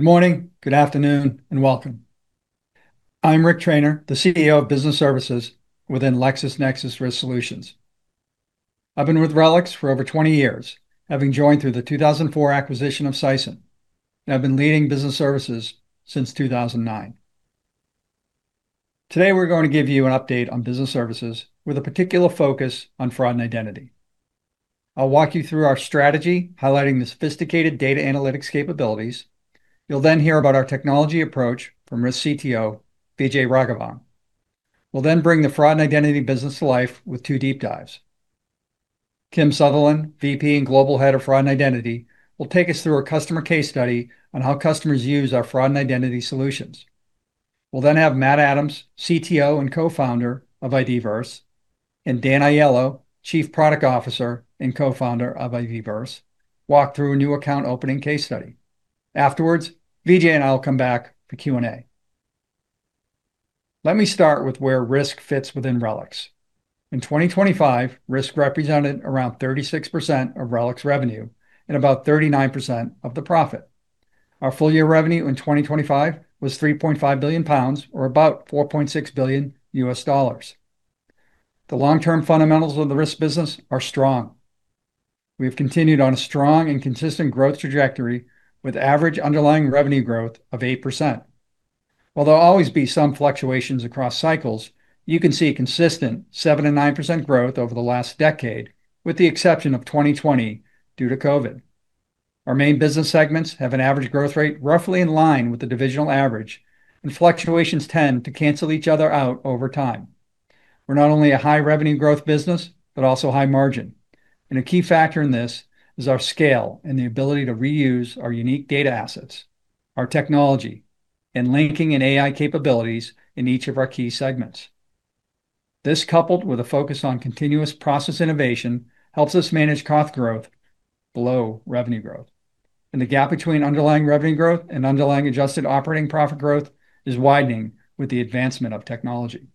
Morning, good afternoon, and welcome. I'm Rick Trainor, the CEO of Business Services within LexisNexis Risk Solutions. I've been with RELX for over 20 years, having joined through the 2004 acquisition of Seisint. I've been leading Business Services since 2009. Today, we're going to give you an update on Business Services with a particular focus on Fraud & Identity. I'll walk you through our strategy, highlighting the sophisticated data analytics capabilities. You'll then hear about our technology approach from Risk CTO, Vijay Raghavan. We'll then bring the Fraud & Identity business to life with two deep dives. Kim Sutherland, VP and Global Head of Fraud & Identity, will take us through a customer case study on how customers use our Fraud & Identity solutions. We'll then have Matthew Adams, CTO and Co-founder of IDVerse, and Daniel Aiello, Chief Product Officer and Co-founder of IDVerse, walk through a new account opening case study. Afterwards, Vijay and I will come back for Q&A. Let me start with where Risk fits within RELX. In 2025, Risk represented around 36% of RELX revenue and about 39% of the profit. Our full year revenue in 2025 was 3.5 billion pounds or about $4.6 billion. The long-term fundamentals of the risk business are strong. We have continued on a strong and consistent growth trajectory with average underlying revenue growth of 8%. While there'll always be some fluctuations across cycles, you can see a consistent 7%-9% growth over the last decade, with the exception of 2020 due to COVID. Our main business segments have an average growth rate roughly in line with the divisional average, and fluctuations tend to cancel each other out over time. We are not only a high revenue growth business, but also high margin. A key factor in this is our scale and the ability to reuse our unique data assets, our technology, and linking and AI capabilities in each of our key segments. This, coupled with a focus on continuous process innovation, helps us manage cost growth below revenue growth. The gap between underlying revenue growth and underlying adjusted operating profit growth is widening with the advancement of technology.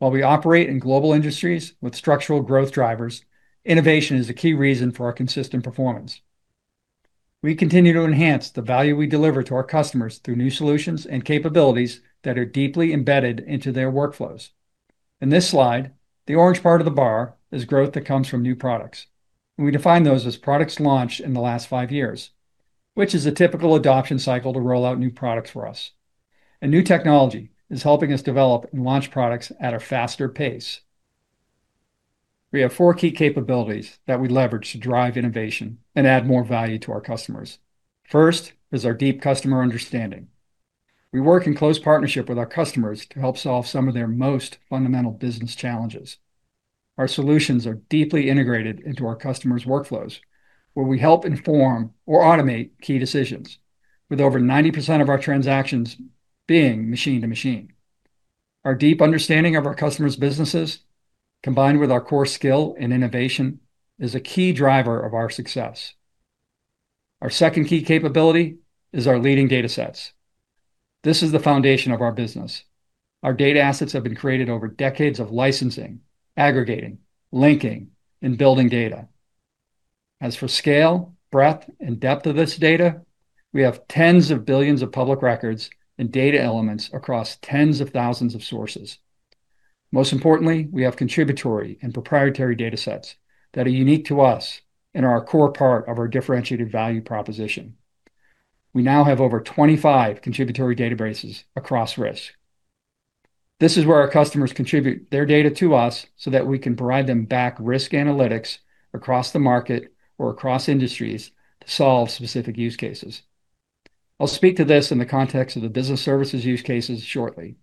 While we operate in global industries with structural growth drivers, innovation is a key reason for our consistent performance. We continue to enhance the value we deliver to our customers through new solutions and capabilities that are deeply embedded into their workflows. In this slide, the orange part of the bar is growth that comes from new products. We define those as products launched in the last five years, which is a typical adoption cycle to roll out new products for us. A new technology is helping us develop and launch products at a faster pace. We have four key capabilities that we leverage to drive innovation and add more value to our customers. First is our deep customer understanding. We work in close partnership with our customers to help solve some of their most fundamental business challenges. Our solutions are deeply integrated into our customers' workflows, where we help inform or automate key decisions, with over 90% of our transactions being machine-to-machine. Our deep understanding of our customers' businesses, combined with our core skill and innovation, is a key driver of our success. Our second key capability is our leading datasets. This is the foundation of our business. Our data assets have been created over decades of licensing, aggregating, linking, and building data. As for scale, breadth, and depth of this data, we have tens of billions of public records and data elements across tens of thousands of sources. Most importantly, we have contributory and proprietary datasets that are unique to us and are a core part of our differentiated value proposition. We now have over 25 contributory databases across Risk. This is where our customers contribute their data to us so that we can provide them back risk analytics across the market or across industries to solve specific use cases. I'll speak to this in the context of the Business Services use cases shortly.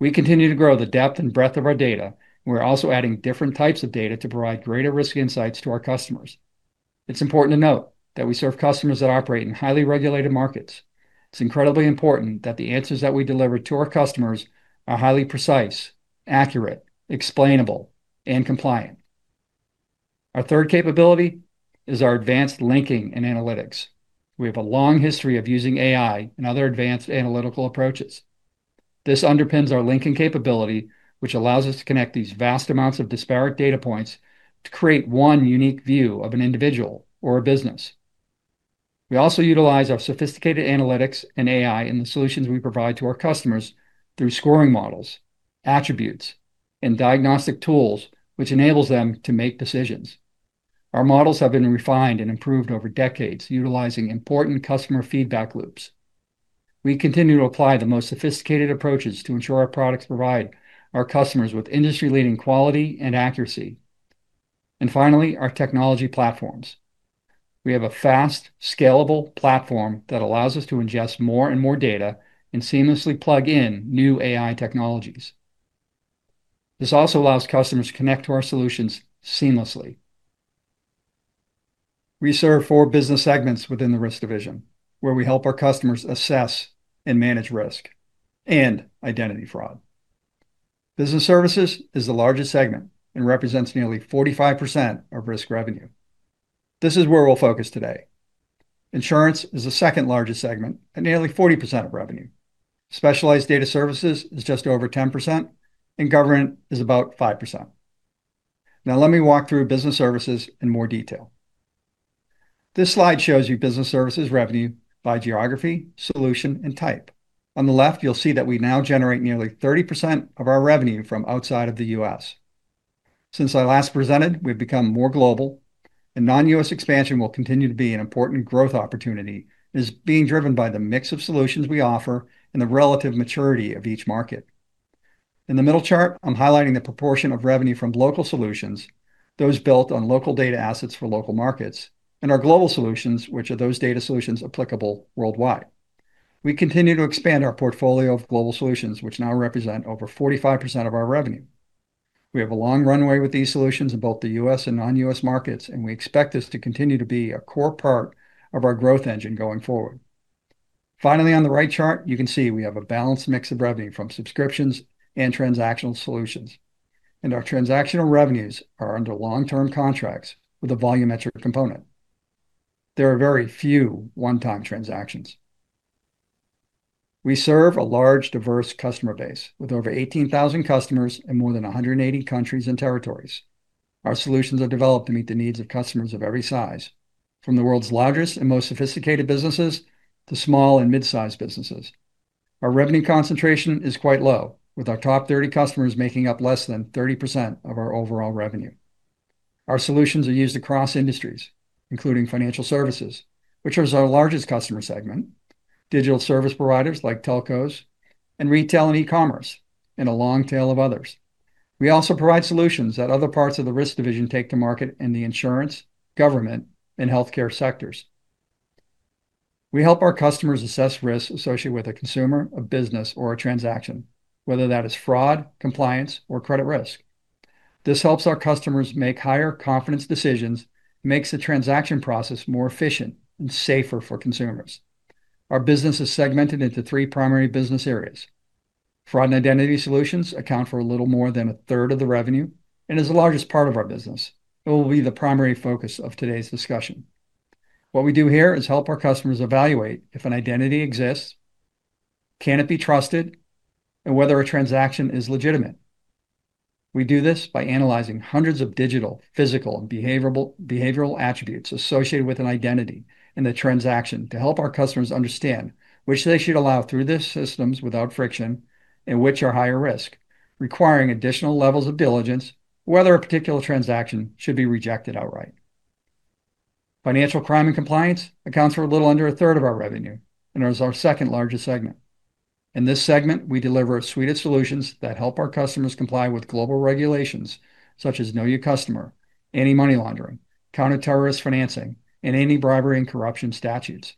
We continue to grow the depth and breadth of our data, and we're also adding different types of data to provide greater risk insights to our customers. It's important to note that we serve customers that operate in highly regulated markets. It's incredibly important that the answers that we deliver to our customers are highly precise, accurate, explainable, and compliant. Our third capability is our advanced linking and analytics. We have a long history of using AI and other advanced analytical approaches. This underpins our linking capability, which allows us to connect these vast amounts of disparate data points to create one unique view of an individual or a business. We also utilize our sophisticated analytics and AI in the solutions we provide to our customers through scoring models, attributes, and diagnostic tools, which enables them to make decisions. Our models have been refined and improved over decades, utilizing important customer feedback loops. We continue to apply the most sophisticated approaches to ensure our products provide our customers with industry-leading quality and accuracy. Finally, our technology platforms. We have a fast, scalable platform that allows us to ingest more and more data and seamlessly plug in new AI technologies. This also allows customers to connect to our solutions seamlessly. We serve four business segments within the Risk division, where we help our customers assess and manage risk and identity fraud. Business Services is the largest segment and represents nearly 45% of Risk revenue. This is where we'll focus today. Insurance is the second-largest segment at nearly 40% of revenue. Specialized Data Services is just over 10%, Government is about 5%. Now let me walk through Business Services in more detail. This slide shows you Business Services revenue by geography, solution, and type. On the left, you'll see that we now generate nearly 30% of our revenue from outside of the U.S. Since I last presented, we've become more global, and non-U.S. expansion will continue to be an important growth opportunity and is being driven by the mix of solutions we offer and the relative maturity of each market. In the middle chart, I'm highlighting the proportion of revenue from local solutions, those built on local data assets for local markets, and our global solutions, which are those data solutions applicable worldwide. We continue to expand our portfolio of global solutions, which now represent over 45% of our revenue. We have a long runway with these solutions in both the U.S. and non-U.S. markets, and we expect this to continue to be a core part of our growth engine going forward. Finally, on the right chart, you can see we have a balanced mix of revenue from subscriptions and transactional solutions, and our transactional revenues are under long-term contracts with a volumetric component. There are very few one-time transactions. We serve a large, diverse customer base with over 18,000 customers in more than 180 countries and territories. Our solutions are developed to meet the needs of customers of every size, from the world's largest and most sophisticated businesses to small and mid-sized businesses. Our revenue concentration is quite low, with our top 30 customers making up less than 30% of our overall revenue. Our solutions are used across industries, including financial services, which is our largest customer segment, digital service providers like telcos, retail and e-commerce, and a long tail of others. We also provide solutions that other parts of the risk division take to market in the insurance, government, and healthcare sectors. We help our customers assess risks associated with a consumer, a business, or a transaction, whether that is fraud, compliance, or credit risk. This helps our customers make higher confidence decisions, makes the transaction process more efficient and safer for consumers. Our business is segmented into three primary business areas. Fraud and Identity Solutions account for a little more than a third of the revenue and is the largest part of our business. It will be the primary focus of today's discussion. What we do here is help our customers evaluate if an identity exists, can it be trusted, and whether a transaction is legitimate. We do this by analyzing hundreds of digital, physical, and behavioral attributes associated with an identity in the transaction to help our customers understand which they should allow through their systems without friction and which are higher risk, requiring additional levels of diligence, whether a particular transaction should be rejected outright. Financial crime and compliance accounts for a little under a third of our revenue and is our second-largest segment. In this segment, we deliver a suite of solutions that help our customers comply with global regulations such as know your customer, anti-money laundering, counter-terrorist financing, and anti-bribery and corruption statutes.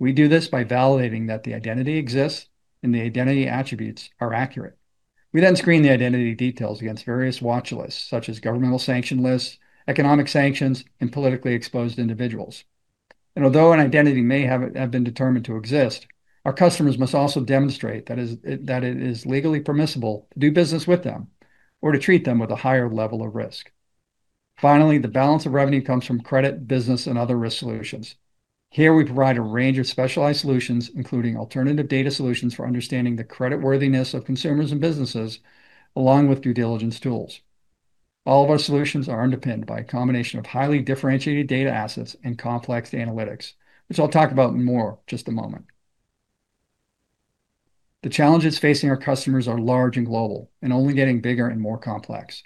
We do this by validating that the identity exists and the identity attributes are accurate. We then screen the identity details against various watch lists, such as governmental sanction lists, economic sanctions, and politically exposed individuals. Although an identity may have been determined to exist, our customers must also demonstrate that it is legally permissible to do business with them or to treat them with a higher level of risk. Finally, the balance of revenue comes from credit, business, and other risk solutions. Here we provide a range of specialized solutions, including alternative data solutions for understanding the creditworthiness of consumers and businesses, along with due diligence tools. All of our solutions are underpinned by a combination of highly differentiated data assets and complex analytics, which I’ll talk about more in just a moment. The challenges facing our customers are large and global and only getting bigger and more complex.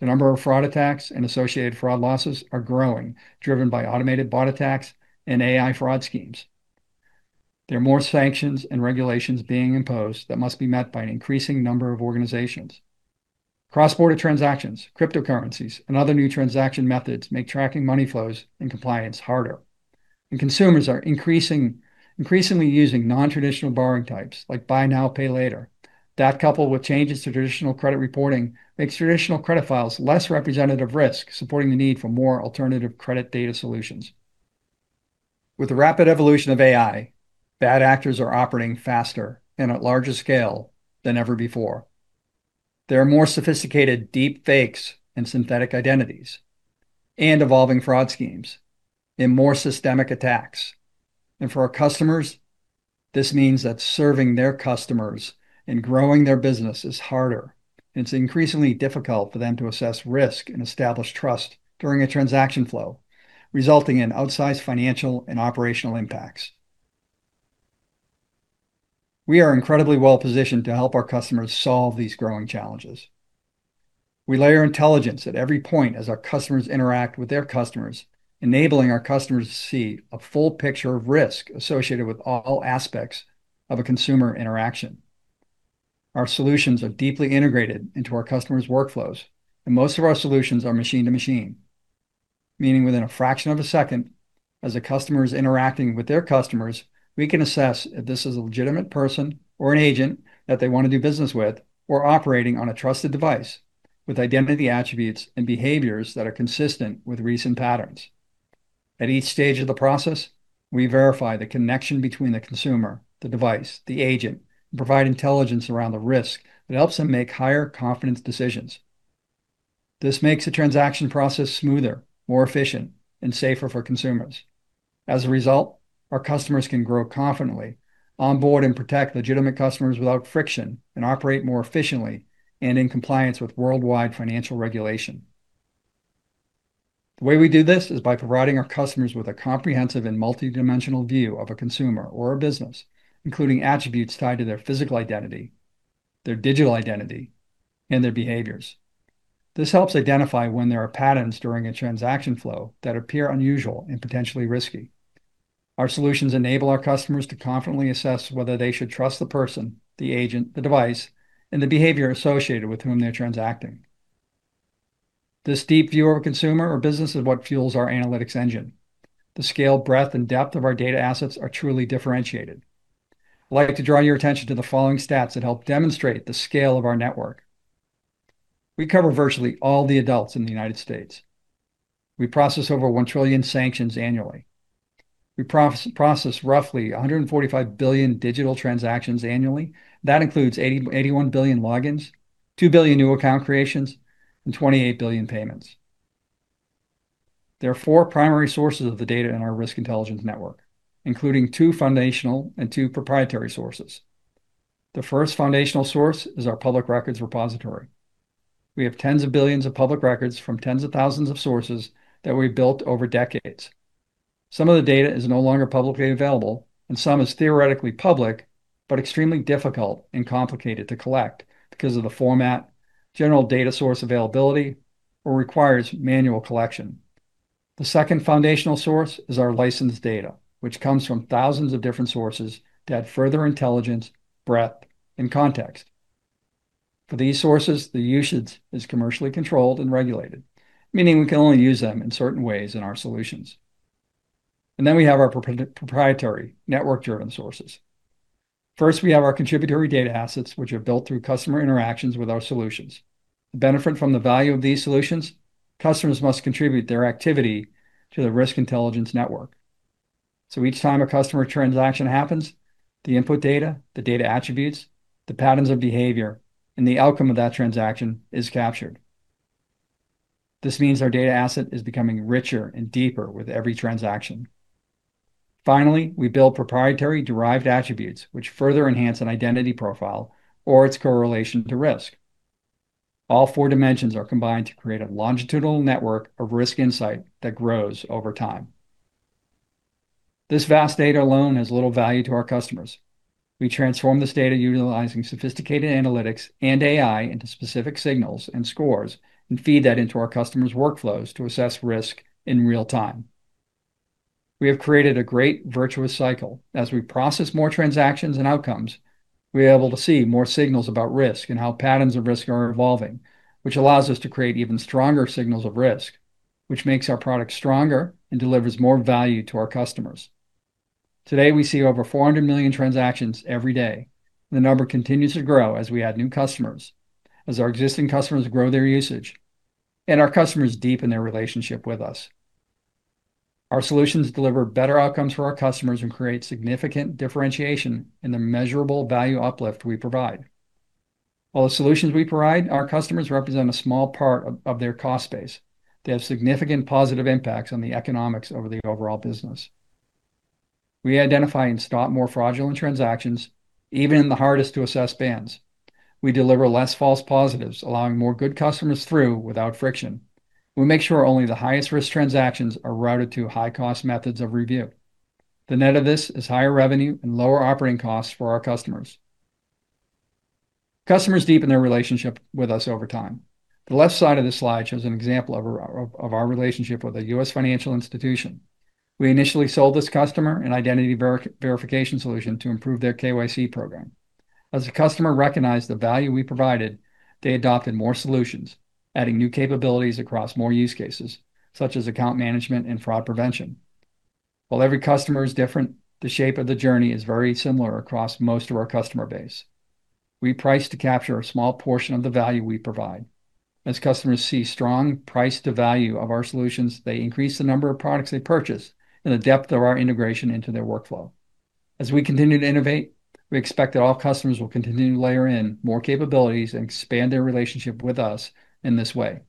The number of fraud attacks and associated fraud losses are growing, driven by automated bot attacks and AI fraud schemes. There are more sanctions and regulations being imposed that must be met by an increasing number of organizations. Cross-border transactions, cryptocurrencies, and other new transaction methods make tracking money flows and compliance harder. Consumers are increasingly using non-traditional borrowing types like buy now, pay later. That, coupled with changes to traditional credit reporting, makes traditional credit files less representative risk, supporting the need for more alternative credit data solutions. With the rapid evolution of AI, bad actors are operating faster and at larger scale than ever before. There are more sophisticated deepfakes and synthetic identities and evolving fraud schemes and more systemic attacks. For our customers, this means that serving their customers and growing their business is harder, and it's increasingly difficult for them to assess risk and establish trust during a transaction flow, resulting in outsized financial and operational impacts. We are incredibly well-positioned to help our customers solve these growing challenges. We layer intelligence at every point as our customers interact with their customers, enabling our customers to see a full picture of risk associated with all aspects of a consumer interaction. Our solutions are deeply integrated into our customers' workflows, and most of our solutions are machine-to-machine, meaning within a fraction of a second, as a customer is interacting with their customers, we can assess if this is a legitimate person or an agent that they want to do business with or operating on a trusted device with identity attributes and behaviors that are consistent with recent patterns. At each stage of the process, we verify the connection between the consumer, the device, the agent, and provide intelligence around the risk that helps them make higher confidence decisions. This makes the transaction process smoother, more efficient, and safer for consumers. As a result our customers can grow confidently, onboard and protect legitimate customers without friction, and operate more efficiently and in compliance with worldwide financial regulation. The way we do this is by providing our customers with a comprehensive and multidimensional view of a consumer or a business, including attributes tied to their physical identity, their digital identity, and their behaviors. This helps identify when there are patterns during a transaction flow that appear unusual and potentially risky. Our solutions enable our customers to confidently assess whether they should trust the person, the agent, the device, and the behavior associated with whom they're transacting. This deep view of a consumer or business is what fuels our analytics engine. The scale, breadth, and depth of our data assets are truly differentiated. I'd like to draw your attention to the following stats that help demonstrate the scale of our network. We cover virtually all the adults in the United States. We process over one trillion sanctions annually. We process roughly 145 billion digital transactions annually. That includes 81 billion logins, two billion new account creations, and 28 billion payments. There are four primary sources of the data in our Risk Intelligence Network, including two foundational and two proprietary sources. The first foundational source is our public records repository. We have tens of billions of public records from tens of thousands of sources that we've built over decades. Some of the data is no longer publicly available, some is theoretically public, but extremely difficult and complicated to collect because of the format, general data source availability, or requires manual collection. The second foundational source is our licensed data, which comes from thousands of different sources to add further intelligence, breadth, and context. For these sources, the usage is commercially controlled and regulated, meaning we can only use them in certain ways in our solutions. We have our proprietary network-driven sources. First, we have our contributory data assets, which are built through customer interactions with our solutions. To benefit from the value of these solutions, customers must contribute their activity to the Risk Intelligence Network. Each time a customer transaction happens, the input data, the data attributes, the patterns of behavior, and the outcome of that transaction is captured. This means our data asset is becoming richer and deeper with every transaction. Finally, we build proprietary derived attributes, which further enhance an identity profile or its correlation to risk. All four dimensions are combined to create a longitudinal network of risk insight that grows over time. This vast data alone has little value to our customers. We transform this data utilizing sophisticated analytics and AI into specific signals and scores, and feed that into our customers' workflows to assess risk in real-time. We have created a great virtuous cycle. As we process more transactions and outcomes, we're able to see more signals about risk and how patterns of risk are evolving, which allows us to create even stronger signals of risk, which makes our product stronger and delivers more value to our customers. Today, we see over 400 million transactions every day. The number continues to grow as we add new customers, as our existing customers grow their usage, and our customers deepen their relationship with us. Our solutions deliver better outcomes for our customers and create significant differentiation in the measurable value uplift we provide. While the solutions we provide our customers represent a small part of their cost base, they have significant positive impacts on the economics over the overall business. We identify and stop more fraudulent transactions, even in the hardest to assess bands. We deliver less false positives, allowing more good customers through without friction. We make sure only the highest-risk transactions are routed to high-cost methods of review. The net of this is higher revenue and lower operating costs for our customers. Customers deepen their relationship with us over time. The left side of this slide shows an example of our relationship with a U.S. financial institution. We initially sold this customer an identity verification solution to improve their KYC program. As the customer recognized the value we provided, they adopted more solutions, adding new capabilities across more use cases, such as account management and fraud prevention. While every customer is different, the shape of the journey is very similar across most of our customer base. We price to capture a small portion of the value we provide. As customers see strong price to value of our solutions, they increase the number of products they purchase and the depth of our integration into their workflow. As we continue to innovate, we expect that all customers will continue to layer in more capabilities and expand their relationship with us in this way.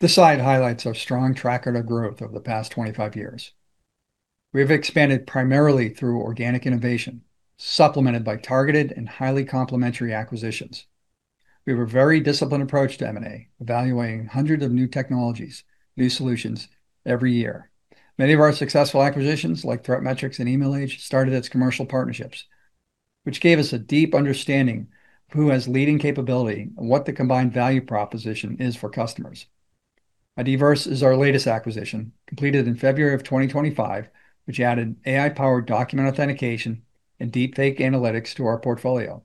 This slide highlights our strong track record of growth over the past 25 years. We have expanded primarily through organic innovation, supplemented by targeted and highly complementary acquisitions. We have a very disciplined approach to M&A, evaluating hundreds of new technologies, new solutions every year. Many of our successful acquisitions, like ThreatMetrix and Emailage, started as commercial partnerships, which gave us a deep understanding of who has leading capability and what the combined value proposition is for customers. IDVerse is our latest acquisition, completed in February of 2025, which added AI-powered document authentication and deepfake analytics to our portfolio.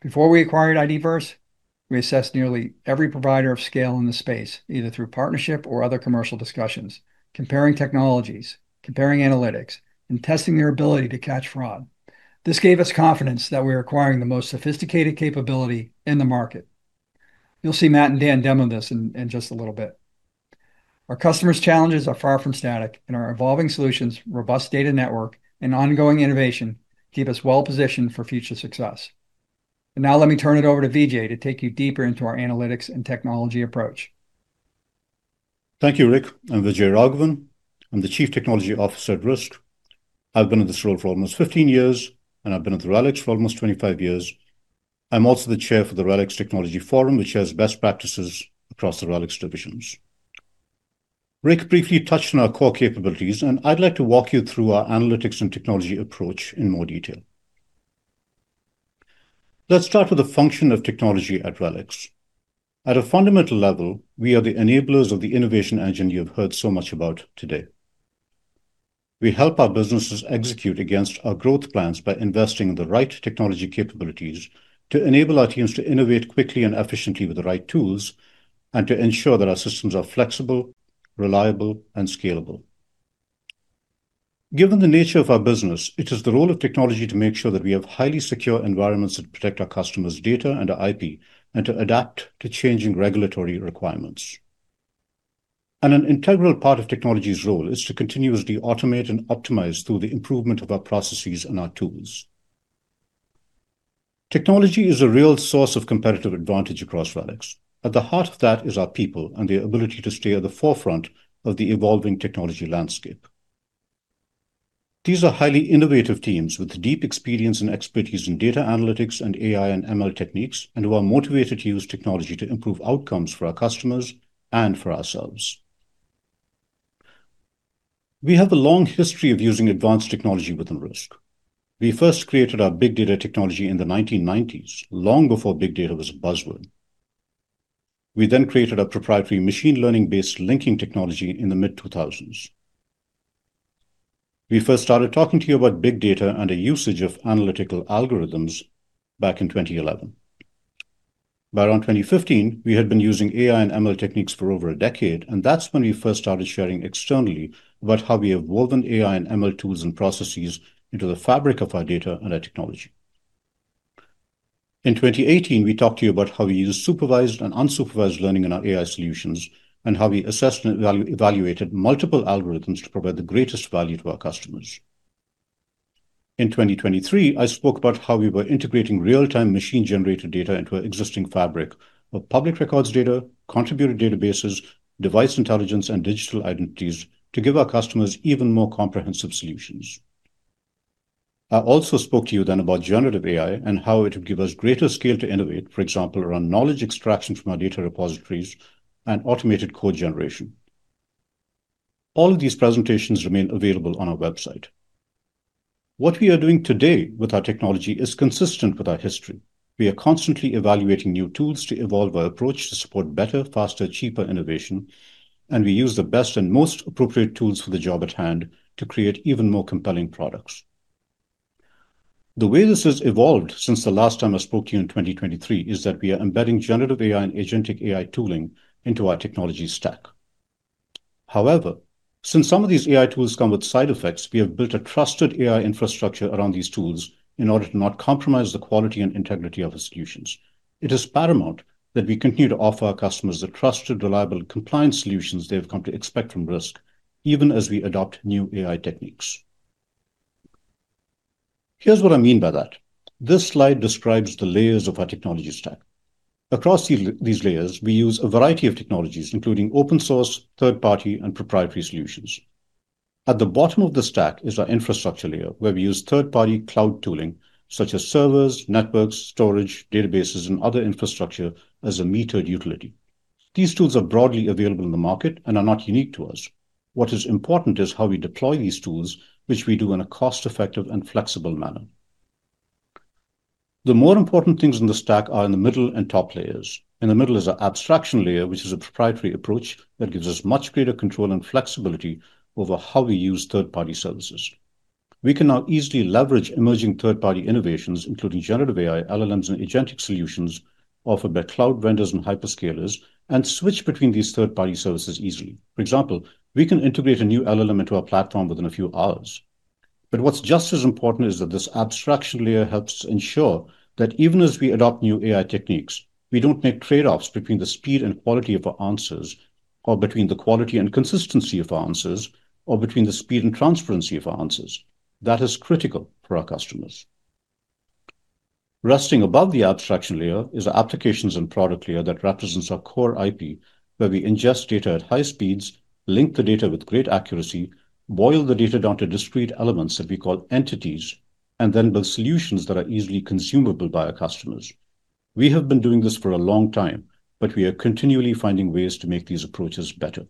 Before we acquired IDVerse, we assessed nearly every provider of scale in the space, either through partnership or other commercial discussions, comparing technologies, comparing analytics, and testing their ability to catch fraud. This gave us confidence that we're acquiring the most sophisticated capability in the market. You'll see Matt and Dan demo this in just a little bit. Our customers' challenges are far from static, and our evolving solutions, robust data network, and ongoing innovation keep us well-positioned for future success. Now let me turn it over to Vijay to take you deeper into our analytics and technology approach. Thank you, Rick. I'm Vijay Raghavan. I'm the Chief Technology Officer at Risk. I've been in this role for almost 15 years, and I've been at the RELX for almost 25 years. I'm also the chair for the RELX Technology Forum, which shares best practices across the RELX divisions. Rick briefly touched on our core capabilities, and I'd like to walk you through our analytics and technology approach in more detail. Let's start with the function of technology at RELX. At a fundamental level, we are the enablers of the innovation engine you have heard so much about today. We help our businesses execute against our growth plans by investing in the right technology capabilities to enable our teams to innovate quickly and efficiently with the right tools and to ensure that our systems are flexible, reliable, and scalable. Given the nature of our business, it is the role of technology to make sure that we have highly secure environments that protect our customers' data and our IP and to adapt to changing regulatory requirements. An integral part of technology's role is to continuously automate and optimize through the improvement of our processes and our tools. Technology is a real source of competitive advantage across RELX. At the heart of that is our people and the ability to stay at the forefront of the evolving technology landscape. These are highly innovative teams with deep experience and expertise in data analytics and AI and ML techniques and who are motivated to use technology to improve outcomes for our customers and for ourselves. We have a long history of using advanced technology within Risk. We first created our big data technology in the 1990s, long before big data was a buzzword. We created a proprietary machine learning-based linking technology in the mid-2000s. We first started talking to you about big data and the usage of analytical algorithms back in 2011. By around 2015, we had been using AI and ML techniques for over a decade. That's when we first started sharing externally about how we have woven AI and ML tools and processes into the fabric of our data and our technology. In 2018, we talked to you about how we use supervised and unsupervised learning in our AI solutions and how we assessed and evaluated multiple algorithms to provide the greatest value to our customers. In 2023, I spoke about how we were integrating real-time machine-generated data into our existing fabric of public records data, contributed databases, device intelligence, and digital identities to give our customers even more comprehensive solutions. I also spoke to you then about generative AI and how it would give us greater scale to innovate, for example, around knowledge extraction from our data repositories and automated code generation. All of these presentations remain available on our website. What we are doing today with our technology is consistent with our history. We are constantly evaluating new tools to evolve our approach to support better, faster, cheaper innovation, and we use the best and most appropriate tools for the job at hand to create even more compelling products. The way this has evolved since the last time I spoke to you in 2023 is that we are embedding generative AI and agentic AI tooling into our technology stack. Since some of these AI tools come with side effects, we have built a trusted AI infrastructure around these tools in order to not compromise the quality and integrity of the solutions. It is paramount that we continue to offer our customers the trusted, reliable, and compliant solutions they've come to expect from Risk even as we adopt new AI techniques. Here's what I mean by that. This slide describes the layers of our technology stack. Across these layers, we use a variety of technologies, including open source, third-party, and proprietary solutions. At the bottom of the stack is our infrastructure layer, where we use third-party cloud tooling such as servers, networks, storage, databases, and other infrastructure as a metered utility. These tools are broadly available in the market and are not unique to us. What is important is how we deploy these tools, which we do in a cost-effective and flexible manner. The more important things in the stack are in the middle and top layers. In the middle is our abstraction layer, which is a proprietary approach that gives us much greater control and flexibility over how we use third-party services. We can now easily leverage emerging third-party innovations, including generative AI, LLMs, and agentic solutions offered by cloud vendors and hyperscalers, and switch between these third-party services easily. For example, we can integrate a new LLM into our platform within a few hours. What's just as important is that this abstraction layer helps ensure that even as we adopt new AI techniques, we don't make trade-offs between the speed and quality of our answers or between the quality and consistency of our answers or between the speed and transparency of our answers. That is critical for our customers. Resting above the abstraction layer is our applications and product layer that represents our core IP, where we ingest data at high speeds, link the data with great accuracy, boil the data down to discrete elements that we call entities, and then build solutions that are easily consumable by our customers. We have been doing this for a long time, but we are continually finding ways to make these approaches better.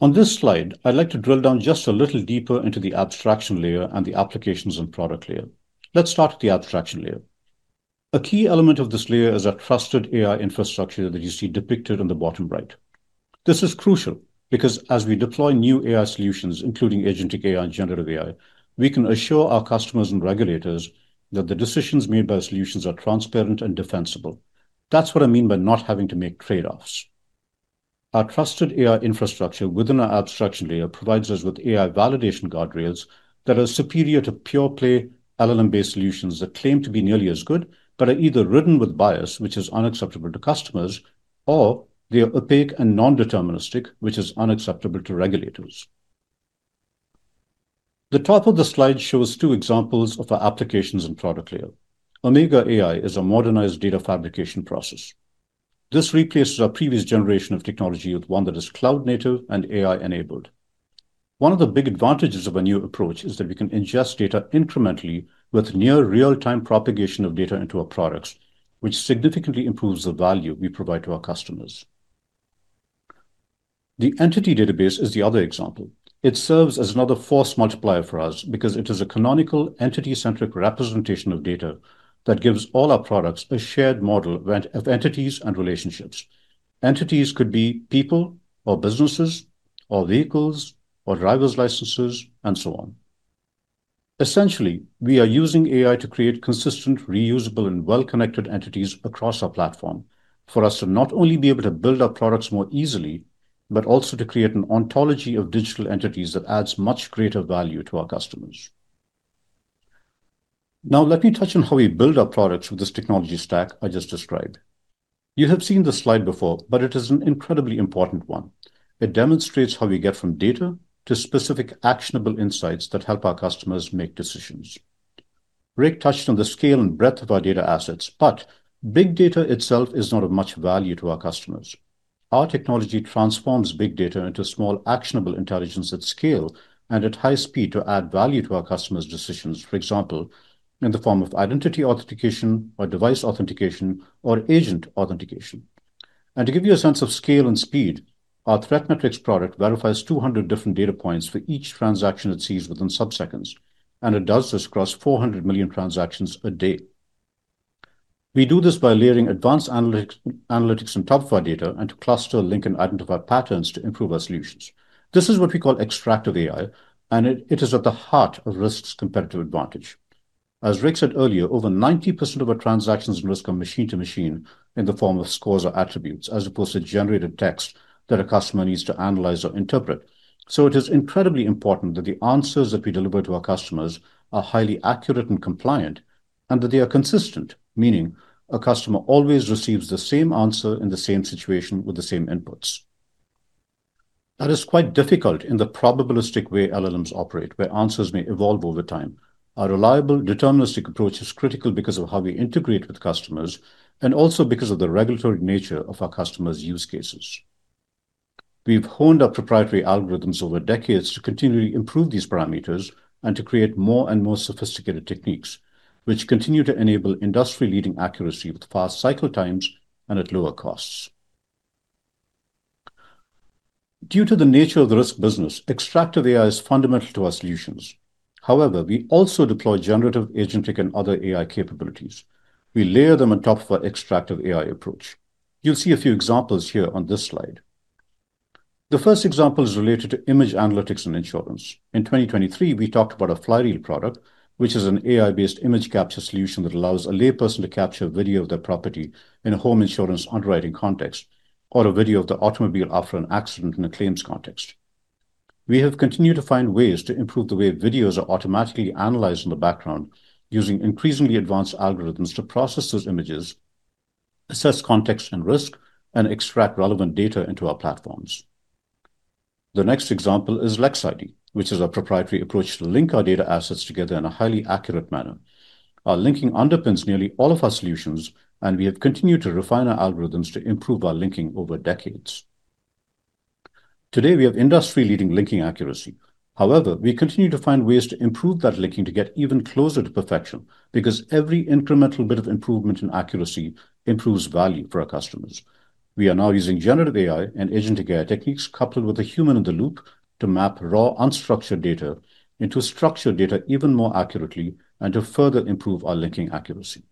On this slide, I'd like to drill down just a little deeper into the abstraction layer and the applications and product layer. Let's start with the abstraction layer. A key element of this layer is our trusted AI infrastructure that you see depicted on the bottom right. This is crucial because as we deploy new AI solutions, including agentic AI and generative AI, we can assure our customers and regulators that the decisions made by solutions are transparent and defensible. That's what I mean by not having to make trade-offs. Our trusted AI infrastructure within our abstraction layer provides us with AI validation guardrails that are superior to pure-play LLM-based solutions that claim to be nearly as good but are either ridden with bias, which is unacceptable to customers, or they are opaque and non-deterministic, which is unacceptable to regulators. The top of the slide shows two examples of our applications and product layer. Omega AI is a modernized data fabrication process. This replaces our previous generation of technology with one that is cloud-native and AI-enabled. One of the big advantages of a new approach is that we can ingest data incrementally with near real-time propagation of data into our products, which significantly improves the value we provide to our customers. The entity database is the other example. It serves as another force multiplier for us because it is a canonical entity-centric representation of data that gives all our products a shared model of entities and relationships. Entities could be people or businesses or vehicles or driver's licenses, and so on. Essentially, we are using AI to create consistent, reusable, and well-connected entities across our platform for us to not only be able to build our products more easily, but also to create an ontology of digital entities that adds much greater value to our customers. Let me touch on how we build our products with this technology stack I just described. You have seen this slide before, it is an incredibly important one. It demonstrates how we get from data to specific actionable insights that help our customers make decisions. Rick touched on the scale and breadth of our data assets, big data itself is not of much value to our customers. Our technology transforms big data into small, actionable intelligence at scale and at high speed to add value to our customers' decisions, for example, in the form of identity authentication or device authentication or agent authentication. To give you a sense of scale and speed, our ThreatMetrix product verifies 200 different data points for each transaction it sees within sub-seconds, and it does this across 400 million transactions a day. We do this by layering advanced analytics on top of our data and to cluster, link, and identify patterns to improve our solutions. This is what we call extractive AI, and it is at the heart of Risk's competitive advantage. As Rick said earlier, over 90% of our transactions in Risk are machine-to-machine in the form of scores or attributes, as opposed to generated text that a customer needs to analyze or interpret. It is incredibly important that the answers that we deliver to our customers are highly accurate and compliant, and that they are consistent, meaning a customer always receives the same answer in the same situation with the same inputs. That is quite difficult in the probabilistic way LLMs operate, where answers may evolve over time. A reliable deterministic approach is critical because of how we integrate with customers and also because of the regulatory nature of our customers' use cases. We've honed our proprietary algorithms over decades to continually improve these parameters and to create more and more sophisticated techniques, which continue to enable industry-leading accuracy with fast cycle times and at lower costs. Due to the nature of the Risk business, extractive AI is fundamental to our solutions. However, we also deploy generative, agentic, and other AI capabilities. We layer them on top of our extractive AI approach. You'll see a few examples here on this slide. The first example is related to image analytics and insurance. In 2023, we talked about a Flyreel product, which is an AI-based image capture solution that allows a layperson to capture video of their property in a home insurance underwriting context or a video of the automobile after an accident in a claims context. We have continued to find ways to improve the way videos are automatically analyzed in the background using increasingly advanced algorithms to process those images, assess context and risk, and extract relevant data into our platforms. The next example is LexID, which is a proprietary approach to link our data assets together in a highly accurate manner. Our linking underpins nearly all of our solutions, and we have continued to refine our algorithms to improve our linking over decades. Today, we have industry-leading linking accuracy. We continue to find ways to improve that linking to get even closer to perfection because every incremental bit of improvement in accuracy improves value for our customers. We are now using generative AI and agentic AI techniques coupled with a human in the loop to map raw unstructured data into structured data even more accurately and to further improve our linking accuracy.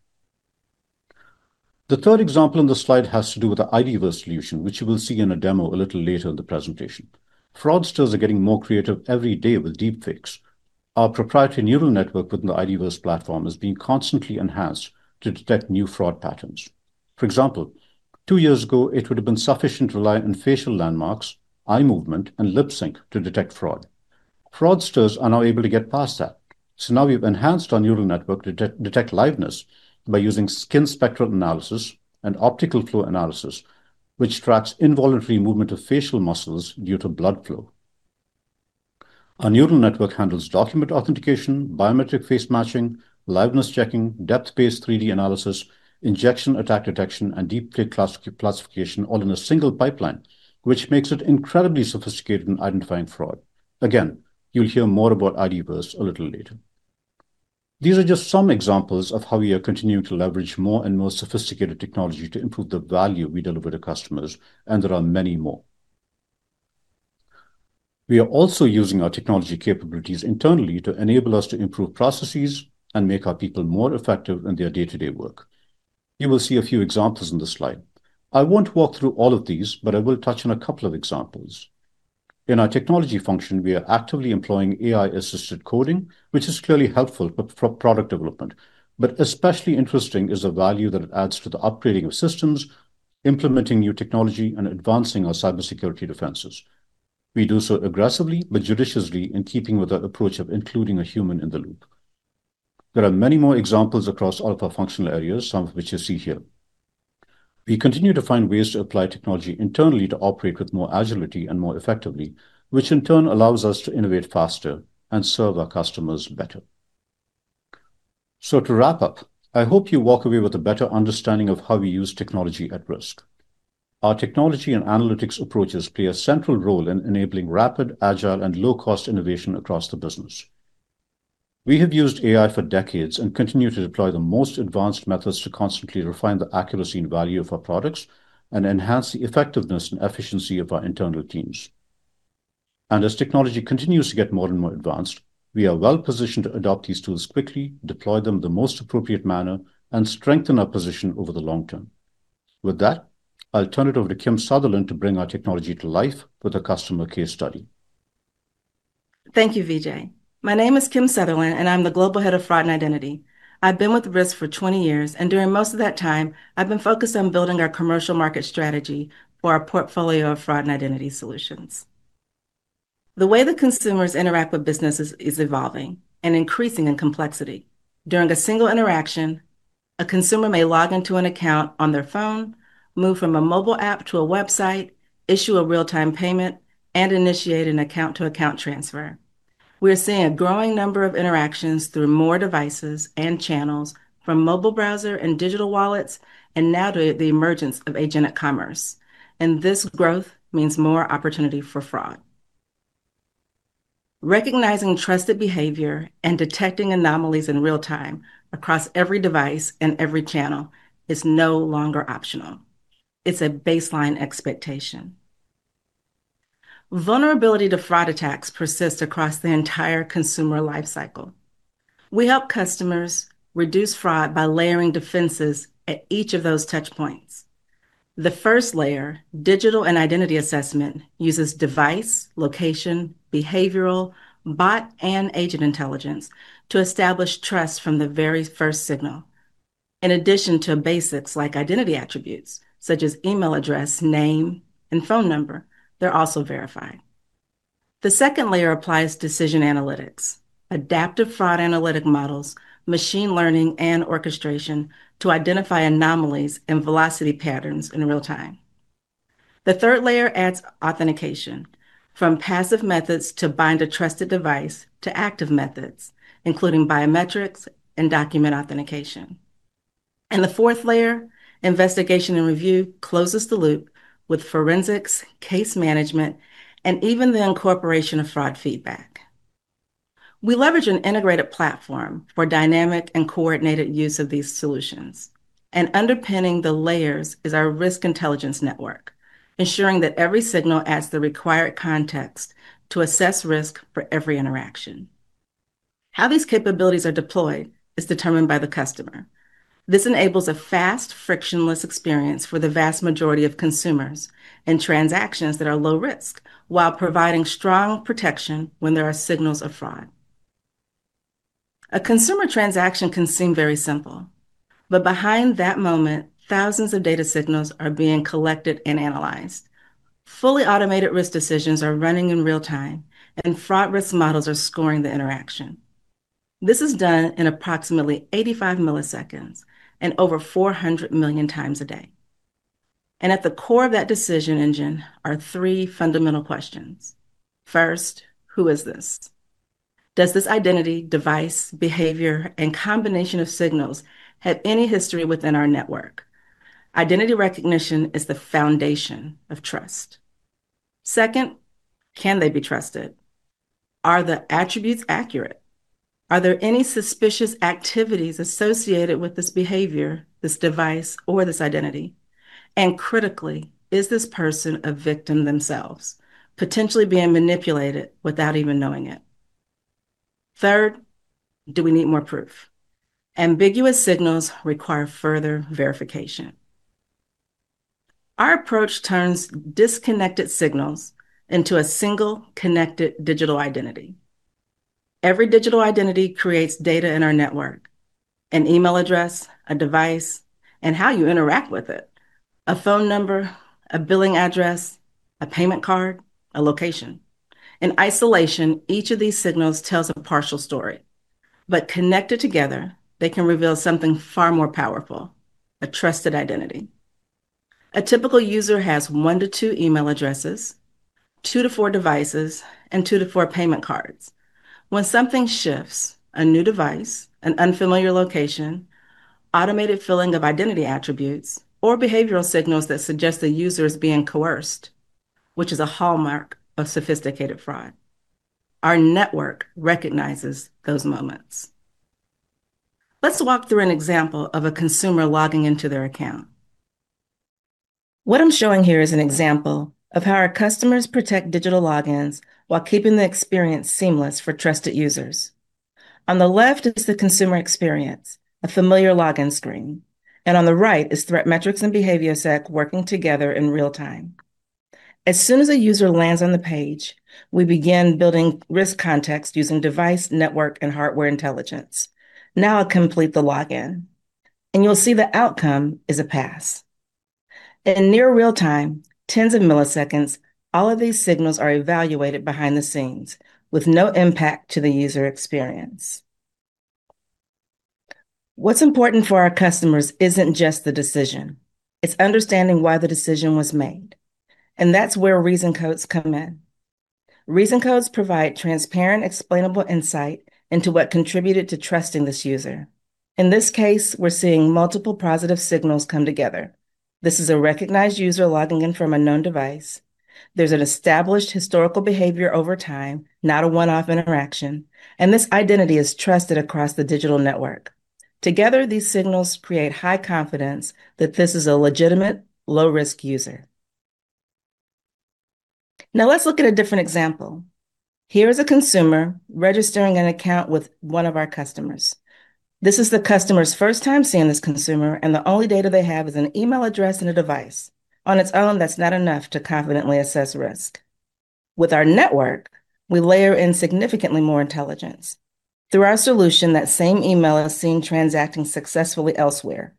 The third example on the slide has to do with the IDVerse solution, which you will see in a demo a little later in the presentation. Fraudsters are getting more creative every day with deepfakes. Our proprietary neural network within the IDVerse platform is being constantly enhanced to detect new fraud patterns. For example, two years ago, it would have been sufficient to rely on facial landmarks, eye movement, and lip sync to detect fraud. Fraudsters are now able to get past that. Now we've enhanced our neural network to detect liveness by using skin spectral analysis and optical flow analysis, which tracks involuntary movement of facial muscles due to blood flow. Our neural network handles document authentication, biometric face matching, liveness checking, depth-based 3D analysis, injection attack detection, and deepfake classification all in a single pipeline, which makes it incredibly sophisticated in identifying fraud. Again, you'll hear more about IDVerse a little later. These are just some examples of how we are continuing to leverage more and more sophisticated technology to improve the value we deliver to customers, and there are many more. We are also using our technology capabilities internally to enable us to improve processes and make our people more effective in their day-to-day work. You will see a few examples in this slide. I won't walk through all of these, but I will touch on a couple of examples. In our technology function, we are actively employing AI-assisted coding, which is clearly helpful for product development. Especially interesting is the value that it adds to the upgrading of systems, implementing new technology, and advancing our cybersecurity defenses. We do so aggressively but judiciously in keeping with our approach of including a human in the loop. There are many more examples across all of our functional areas, some of which you see here. We continue to find ways to apply technology internally to operate with more agility and more effectively, which in turn allows us to innovate faster and serve our customers better. To wrap up, I hope you walk away with a better understanding of how we use technology at Risk. Our technology and analytics approaches play a central role in enabling rapid, agile, and low-cost innovation across the business. We have used AI for decades and continue to deploy the most advanced methods to constantly refine the accuracy and value of our products and enhance the effectiveness and efficiency of our internal teams. As technology continues to get more and more advanced, we are well-positioned to adopt these tools quickly, deploy them in the most appropriate manner, and strengthen our position over the long term. With that, I'll turn it over to Kim Sutherland to bring our technology to life with a customer case study. Thank you, Vijay. My name is Kim Sutherland, and I'm the Global Head of Fraud and Identity. I've been with Risk for 20 years, and during most of that time, I've been focused on building our commercial market strategy for our portfolio of fraud and identity solutions. The way that consumers interact with businesses is evolving and increasing in complexity. During a single interaction, a consumer may log into an account on their phone, move from a mobile app to a website, issue a real-time payment, and initiate an account-to-account transfer. We're seeing a growing number of interactions through more devices and channels from mobile browser and digital wallets, and now to the emergence of agentic commerce. This growth means more opportunity for fraud. Recognizing trusted behavior and detecting anomalies in real-time across every device and every channel is no longer optional. It's a baseline expectation. Vulnerability to fraud attacks persist across the entire consumer life cycle. We help customers reduce fraud by layering defenses at each of those touchpoints. The first layer, digital and identity assessment, uses device, location, behavioral, bot, and agent intelligence to establish trust from the very first signal. In addition to basics like identity attributes, such as email address, name, and phone number, they're also verifying. The second layer applies decision analytics, adaptive fraud analytic models, machine learning, and orchestration to identify anomalies and velocity patterns in real time. The third layer adds authentication from passive methods to bind a trusted device to active methods, including biometrics and document authentication. The fourth layer, investigation and review, closes the loop with forensics, case management, and even the incorporation of fraud feedback. We leverage an integrated platform for dynamic and coordinated use of these solutions. Underpinning the layers is our Risk Intelligence Network, ensuring that every signal adds the required context to assess risk for every interaction. How these capabilities are deployed is determined by the customer. This enables a fast, frictionless experience for the vast majority of consumers and transactions that are low risk while providing strong protection when there are signals of fraud. A consumer transaction can seem very simple, but behind that moment, thousands of data signals are being collected and analyzed. Fully automated risk decisions are running in real time, and fraud risk models are scoring the interaction. This is done in approximately 85 milliseconds and over 400 million times a day. At the core of that decision engine are three fundamental questions. First, who is this? Does this identity, device, behavior, and combination of signals have any history within our network? Identity recognition is the foundation of trust. Second, can they be trusted? Are the attributes accurate? Are there any suspicious activities associated with this behavior, this device, or this identity? Critically, is this person a victim themselves, potentially being manipulated without even knowing it? Third, do we need more proof? Ambiguous signals require further verification. Our approach turns disconnected signals into a single connected digital identity. Every digital identity creates data in our network, an email address, a device, and how you interact with it, a phone number, a billing address, a payment card, a location. In isolation, each of these signals tells a partial story. Connected together, they can reveal something far more powerful, a trusted identity. A typical user has one to two email addresses, two to four devices, and two to four payment cards. When something shifts, a new device, an unfamiliar location, automated filling of identity attributes, or behavioral signals that suggest the user is being coerced, which is a hallmark of sophisticated fraud. Our network recognizes those moments. Let's walk through an example of a consumer logging into their account. What I'm showing here is an example of how our customers protect digital logins while keeping the experience seamless for trusted users. On the left is the consumer experience, a familiar login screen. On the right is ThreatMetrix and BehavioSec working together in real time. As soon as a user lands on the page, we begin building risk context using device, network, and hardware intelligence. Now I complete the login, and you'll see the outcome is a pass. In near real time, tens of milliseconds, all of these signals are evaluated behind the scenes with no impact to the user experience. What's important for our customers isn't just the decision, it's understanding why the decision was made, and that's where reason codes come in. Reason codes provide transparent, explainable insight into what contributed to trusting this user. In this case, we're seeing multiple positive signals come together. This is a recognized user logging in from a known device. There's an established historical behavior over time, not a one-off interaction, and this identity is trusted across the digital network. Together, these signals create high confidence that this is a legitimate low-risk user. Let's look at a different example. Here is a consumer registering an account with one of our customers. This is the customer's first time seeing this consumer, and the only data they have is an email address and a device. On its own, that's not enough to confidently assess risk. With our network, we layer in significantly more intelligence. Through our solution, that same email is seen transacting successfully elsewhere,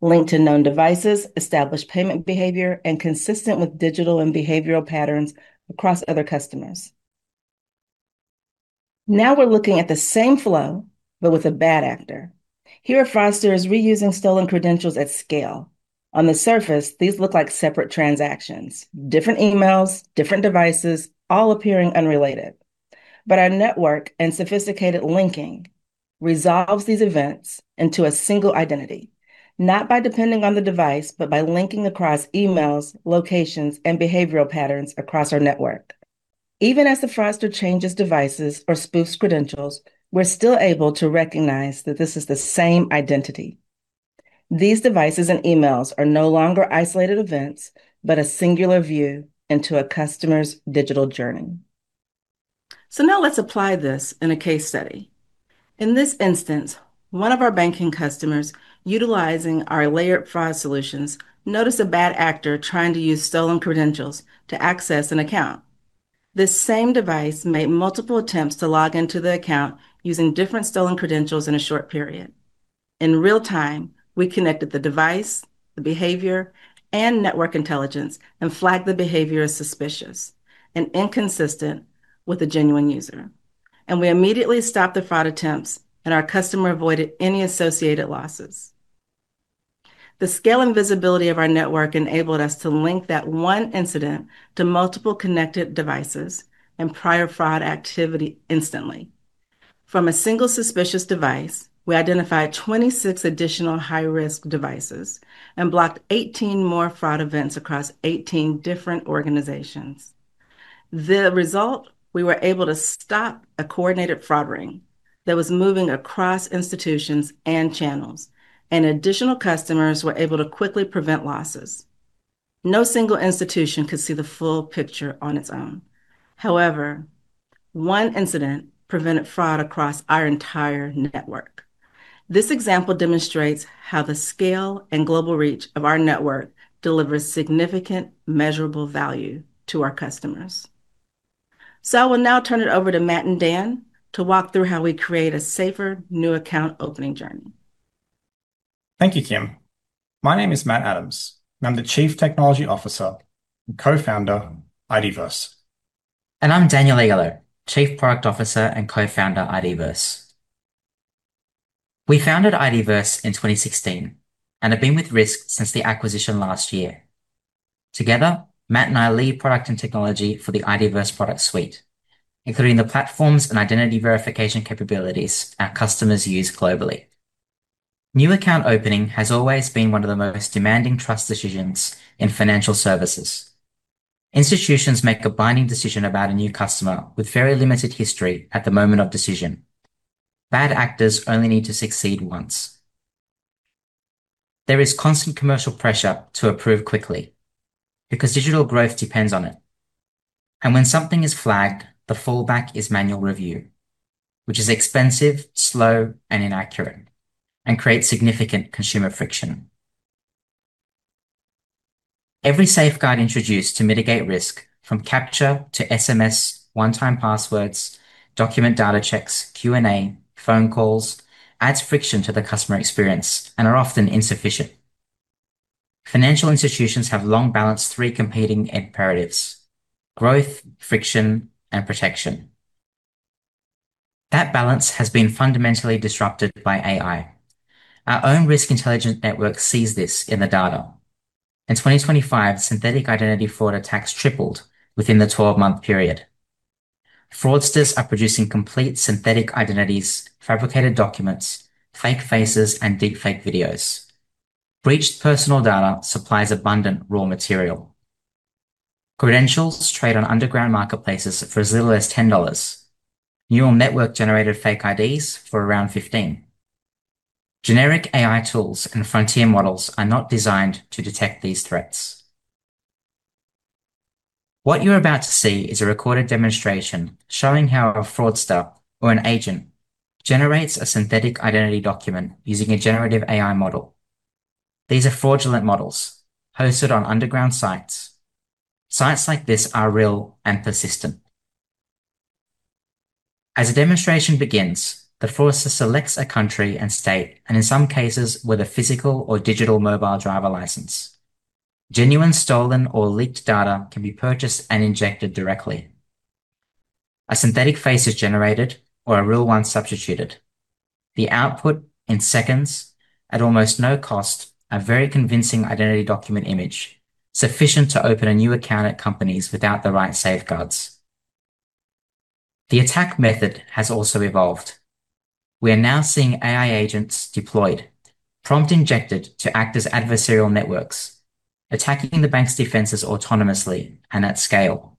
linked to known devices, established payment behavior, and consistent with digital and behavioral patterns across other customers. Now, we're looking at the same flow, but with a bad actor. Here, a fraudster is reusing stolen credentials at scale. On the surface, these look like separate transactions, different emails, different devices, all appearing unrelated. Our network and sophisticated linking resolves these events into a single identity, not by depending on the device, but by linking across emails, locations, and behavioral patterns across our network. Even as the fraudster changes devices or spoofs credentials, we're still able to recognize that this is the same identity. These devices and emails are no longer isolated events, but a singular view into a customer's digital journey. Now let's apply this in a case study. In this instance, one of our banking customers utilizing our layered fraud solutions noticed a bad actor trying to use stolen credentials to access an account. This same device made multiple attempts to log into the account using different stolen credentials in a short period. In real time, we connected the device, the behavior, and network intelligence, and flagged the behavior as suspicious and inconsistent with a genuine user, and we immediately stopped the fraud attempts, and our customer avoided any associated losses. The scale and visibility of our network enabled us to link that one incident to multiple connected devices and prior fraud activity instantly. From a single suspicious device, we identified 26 additional high-risk devices and blocked 18 more fraud events across 18 different organizations. The result, we were able to stop a coordinated fraud ring that was moving across institutions and channels, and additional customers were able to quickly prevent losses. No single institution could see the full picture on its own. However, one incident prevented fraud across our entire network. This example demonstrates how the scale and global reach of our network delivers significant measurable value to our customers. I will now turn it over to Matt and Dan to walk through how we create a safer new account opening journey. Thank you, Kim. My name is Matthew Adams. I'm the Chief Technology Officer and Co-founder, IDVerse. I'm Daniel Aiello, chief product officer and co-founder, IDVerse. We founded IDVerse in 2016 and have been with Risk since the acquisition last year. Together, Matt and I lead product and technology for the IDVerse product suite, including the platforms and identity verification capabilities our customers use globally. New account opening has always been one of the most demanding trust decisions in financial services. Institutions make a binding decision about a new customer with very limited history at the moment of decision. Bad actors only need to succeed once. There is constant commercial pressure to approve quickly because digital growth depends on it. When something is flagged, the fallback is manual review, which is expensive, slow, and inaccurate and creates significant consumer friction. Every safeguard introduced to mitigate risk from CAPTCHA to SMS, one-time passwords, document data checks, Q&A, phone calls, adds friction to the customer experience and are often insufficient. Financial institutions have long balanced three competing imperatives: growth, friction, and protection. That balance has been fundamentally disrupted by AI. Our own Risk Intelligence Network sees this in the data. In 2025, synthetic identity fraud attacks tripled within the 12-month period. Fraudsters are producing complete synthetic identities, fabricated documents, fake faces, and deepfake videos. Breached personal data supplies abundant raw material. Credentials trade on underground marketplaces for as little as GBP 10. Newer network-generated fake IDs for around 15. Generic AI tools and frontier models are not designed to detect these threats. What you're about to see is a recorded demonstration showing how a fraudster or an agent generates a synthetic identity document using a generative AI model. These are fraudulent models hosted on underground sites. Sites like this are real and persistent. As the demonstration begins, the fraudster selects a country and state, and in some cases, with a physical or digital mobile driver license. Genuine stolen or leaked data can be purchased and injected directly. A synthetic face is generated or a real one substituted. The output in seconds at almost no cost, a very convincing identity document image sufficient to open a new account at companies without the right safeguards. The attack method has also evolved. We are now seeing AI agents deployed, prompt-injected to act as adversarial networks, attacking the bank's defenses autonomously and at scale.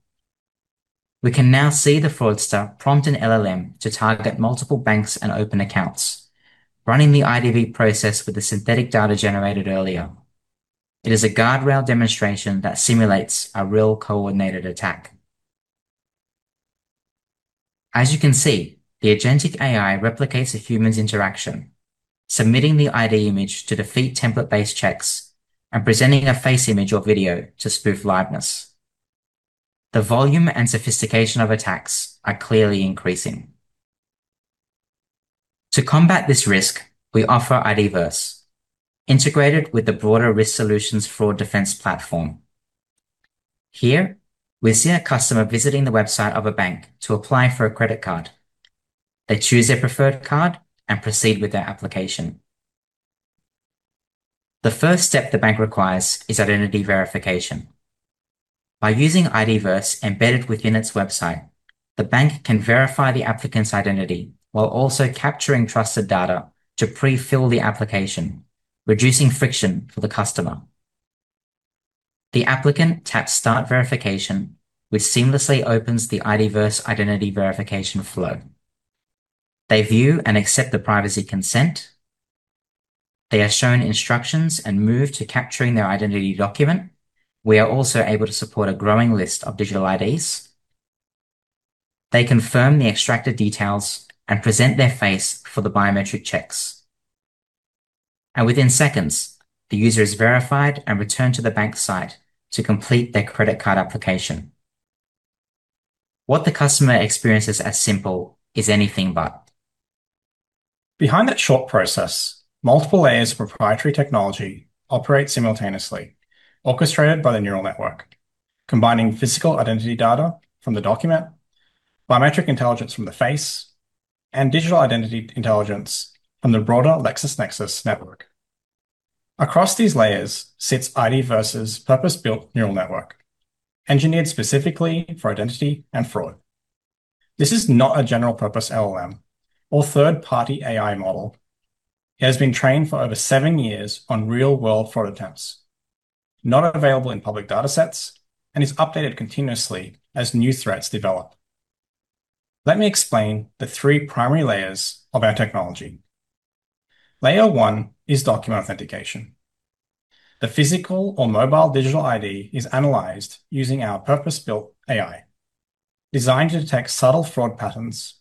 We can now see the fraudster prompt an LLM to target multiple banks and open accounts, running the IDV process with the synthetic data generated earlier. It is a guardrail demonstration that simulates a real coordinated attack. As you can see, the agentic AI replicates a human's interaction, submitting the ID image to defeat template-based checks and presenting a face image or video to spoof liveness. The volume and sophistication of attacks are clearly increasing. To combat this risk, we offer IDVerse, integrated with the broader Risk Solutions fraud defense platform. Here we see a customer visiting the website of a bank to apply for a credit card. They choose their preferred card and proceed with their application. The first step the bank requires is identity verification. By using IDVerse embedded within its website, the bank can verify the applicant's identity while also capturing trusted data to pre-fill the application, reducing friction for the customer. The applicant taps Start verification, which seamlessly opens the IDVerse identity verification flow. They view and accept the privacy consent. They are shown instructions and move to capturing their identity document. We are also able to support a growing list of digital IDs. They confirm the extracted details and present their face for the biometric checks. Within seconds, the user is verified and returned to the bank site to complete their credit card application. What the customer experiences as simple is anything but. Behind that short process, multiple layers of proprietary technology operate simultaneously, orchestrated by the neural network, combining physical identity data from the document, biometric intelligence from the face, and digital identity intelligence from the broader LexisNexis network. Across these layers sits IDVerse's purpose-built neural network, engineered specifically for identity and fraud. This is not a general-purpose LLM or third-party AI model. It has been trained for over seven years on real-world fraud attempts, not available in public data sets, and is updated continuously as new threats develop. Let me explain the three primary layers of our technology. Layer one is document authentication. The physical or mobile digital ID is analyzed using our purpose-built AI, designed to detect subtle fraud patterns,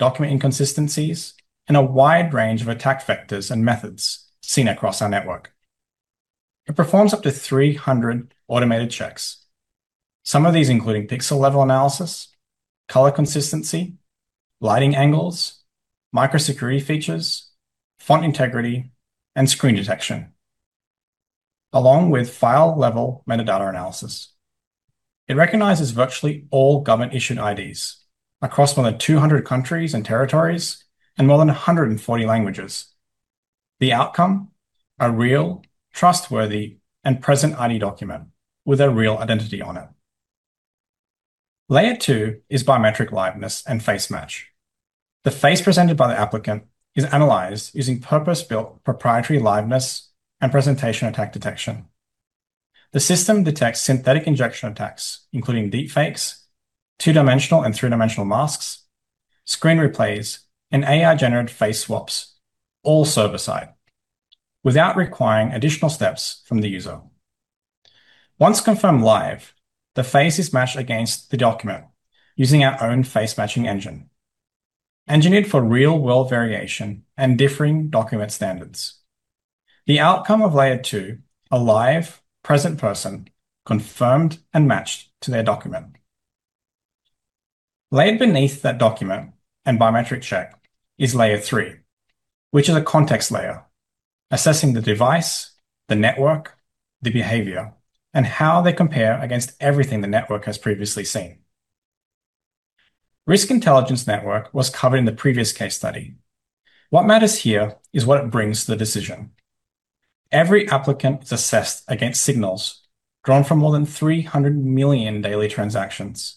document inconsistencies, and a wide range of attack vectors and methods seen across our network. It performs up to 300 automated checks. Some of these including pixel-level analysis, color consistency, lighting angles, micro security features, font integrity, and screen detection, along with file-level metadata analysis. It recognizes virtually all government-issued IDs across more than 200 countries and territories and more than 140 languages. The outcome, a real, trustworthy, and present ID document with a real identity on it. Layer two is biometric liveness and face match. The face presented by the applicant is analyzed using purpose-built proprietary liveness and presentation attack detection. The system detects synthetic injection attacks, including deepfakes, two-dimensional and three-dimensional masks, screen replays, and AI-generated face swaps, all server-side, without requiring additional steps from the user. Once confirmed live, the face is matched against the document using our own face matching engine, engineered for real-world variation and differing document standards. The outcome of Layer two, a live present person confirmed and matched to their document. Layered beneath that document and biometric check is layer three, which is a context layer, assessing the device, the network, the behavior, and how they compare against everything the network has previously seen. Risk Intelligence Network was covered in the previous case study. What matters here is what it brings to the decision. Every applicant is assessed against signals drawn from more than 300 million daily transactions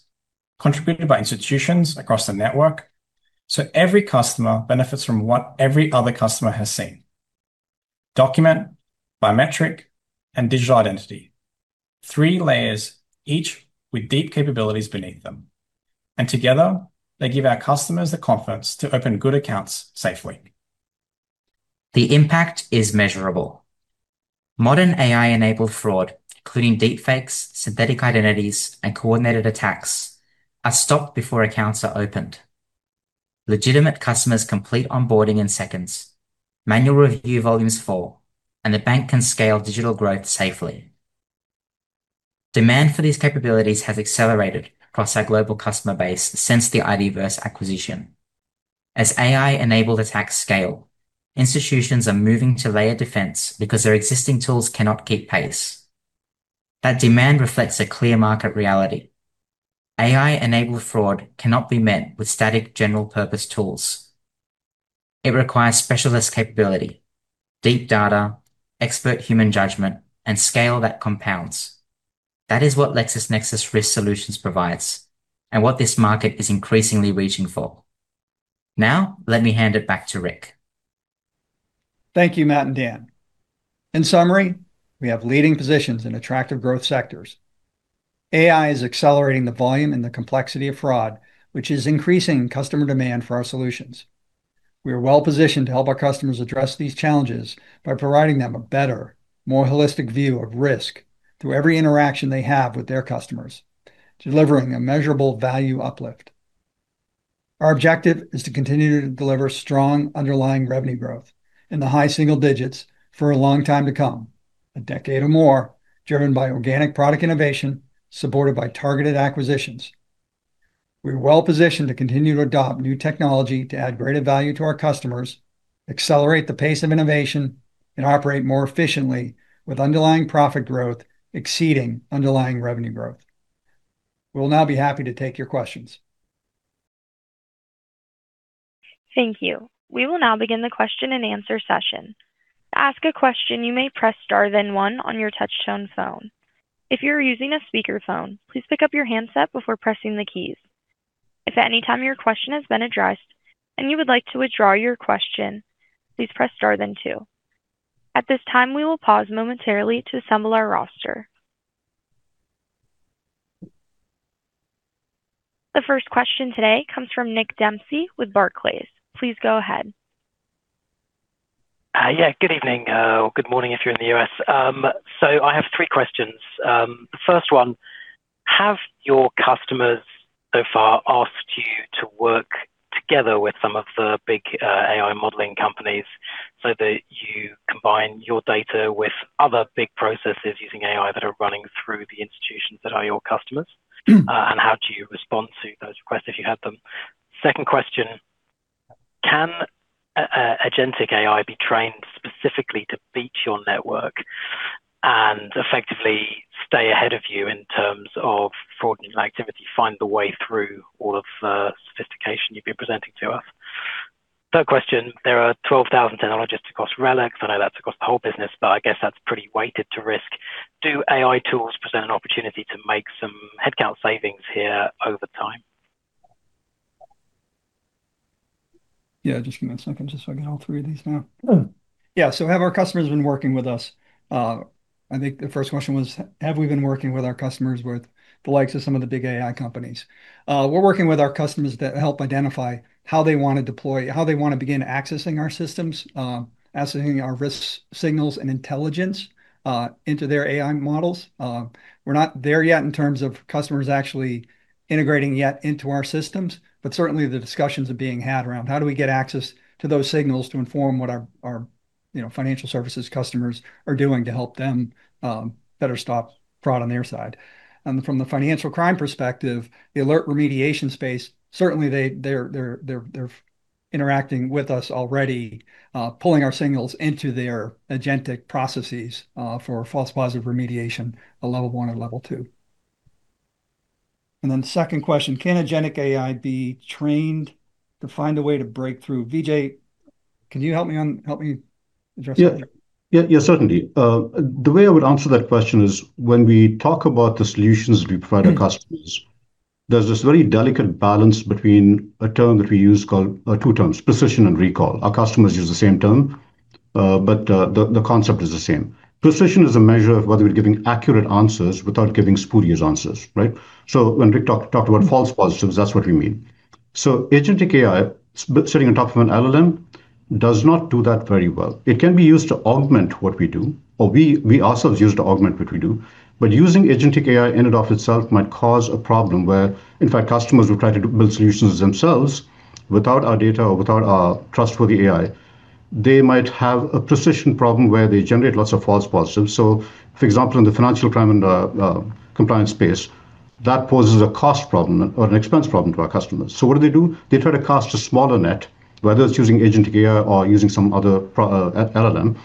contributed by institutions across the network, so every customer benefits from what every other customer has seen. Document, biometric, and digital identity. Three layers, each with deep capabilities beneath them, and together, they give our customers the confidence to open good accounts safely. The impact is measurable. Modern AI-enabled fraud, including deepfakes, synthetic identities, and coordinated attacks, are stopped before accounts are opened. Legitimate customers complete onboarding in seconds. Manual review volumes fall, and the bank can scale digital growth safely. Demand for these capabilities has accelerated across our global customer base since the IDVerse acquisition. As AI-enabled attacks scale, institutions are moving to layer defense because their existing tools cannot keep pace. That demand reflects a clear market reality. AI-enabled fraud cannot be met with static general-purpose tools. It requires specialist capability, deep data, expert human judgment, and scale that compounds. That is what LexisNexis Risk Solutions provides and what this market is increasingly reaching for. Now, let me hand it back to Rick. Thank you, Matt and Dan. In summary, we have leading positions in attractive growth sectors. AI is accelerating the volume and the complexity of fraud, which is increasing customer demand for our solutions. We are well-positioned to help our customers address these challenges by providing them a better, more holistic view of risk through every interaction they have with their customers, delivering a measurable value uplift. Our objective is to continue to deliver strong underlying revenue growth in the high single digits for a long time to come, a decade or more, driven by organic product innovation, supported by targeted acquisitions. We're well-positioned to continue to adopt new technology to add greater value to our customers, accelerate the pace of innovation, and operate more efficiently with underlying profit growth exceeding underlying revenue growth. We'll now be happy to take your questions. Thank you. We will now begin the question and answer session. To ask a question, you may press star then one on your touchtone phone. If you're using a speakerphone, please pick up your handset before pressing the keys. If at any time your question has been addressed and you would like to withdraw your question, please press star then two. At this time, we will pause momentarily to assemble our roster. The first question today comes from Nick Dempsey with Barclays. Please go ahead. Yeah, good evening, or good morning if you're in the U.S. I have three questions. The first one, have your customers so far asked you to work together with some of the big AI modeling companies so that you combine your data with other big processes using AI that are running through the institutions that are your customers? How do you respond to those requests if you had them? Second question, can a agentic AI be trained specifically to beat your network and effectively stay ahead of you in terms of fraudulent activity, find the way through all of the sophistication you've been presenting to us? Third question, there are 12,000 technologists across RELX. I know that's across the whole business, but I guess that's pretty weighted to risk. Do AI tools present an opportunity to make some headcount savings here over time? Yeah, just give me a second just so I get all three of these now. Yeah. I think the 1st question was, have we been working with our customers with the likes of some of the big AI companies? We're working with our customers to help identify how they wanna deploy, how they wanna begin accessing our systems, accessing our risk signals and intelligence into their AI models. We're not there yet in terms of customers actually integrating yet into our systems, but certainly the discussions are being had around how do we get access to those signals to inform what our, you know, financial services customers are doing to help them better stop fraud on their side. From the financial crime perspective, the alert remediation space, certainly they're interacting with us already, pulling our signals into their agentic processes, for false positive remediation at level one or level two. Second question, can agentic AI be trained to find a way to break through? Vijay, can you help me address that? Yeah, certainly. The way I would answer that question is when we talk about the solutions we provide our customers- there's this very delicate balance between a term that we use, two terms, precision and recall. Our customers use the same term, but the concept is the same. Precision is a measure of whether we're giving accurate answers without giving spurious answers, right? When we talk about false positives, that's what we mean. Agentic AI sitting on top of an LLM does not do that very well. It can be used to augment what we do, or we also use it to augment what we do, but using agentic AI in and of itself might cause a problem where, in fact, customers will try to build solutions themselves without our data or without our trustworthy AI. They might have a precision problem where they generate lots of false positives. For example, in the Financial Crime and Compliance space, that poses a cost problem or an expense problem to our customers. What do they do? They try to cast a smaller net, whether it's using agentic AI or using some other LLM,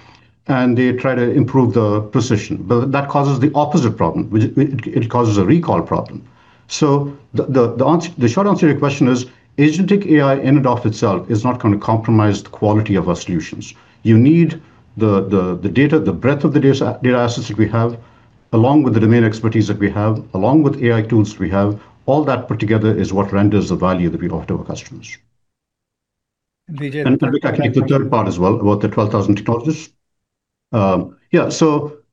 and they try to improve the precision. That causes the opposite problem. It causes a recall problem. The short answer to your question is agentic AI in and of itself is not gonna compromise the quality of our solutions. You need the breadth of the data assets that we have, along with the domain expertise that we have, along with AI tools that we have. All that put together is what renders the value that we offer to our customers. Vijay- Rick, I can take the third part as well about the 12,000 technologists.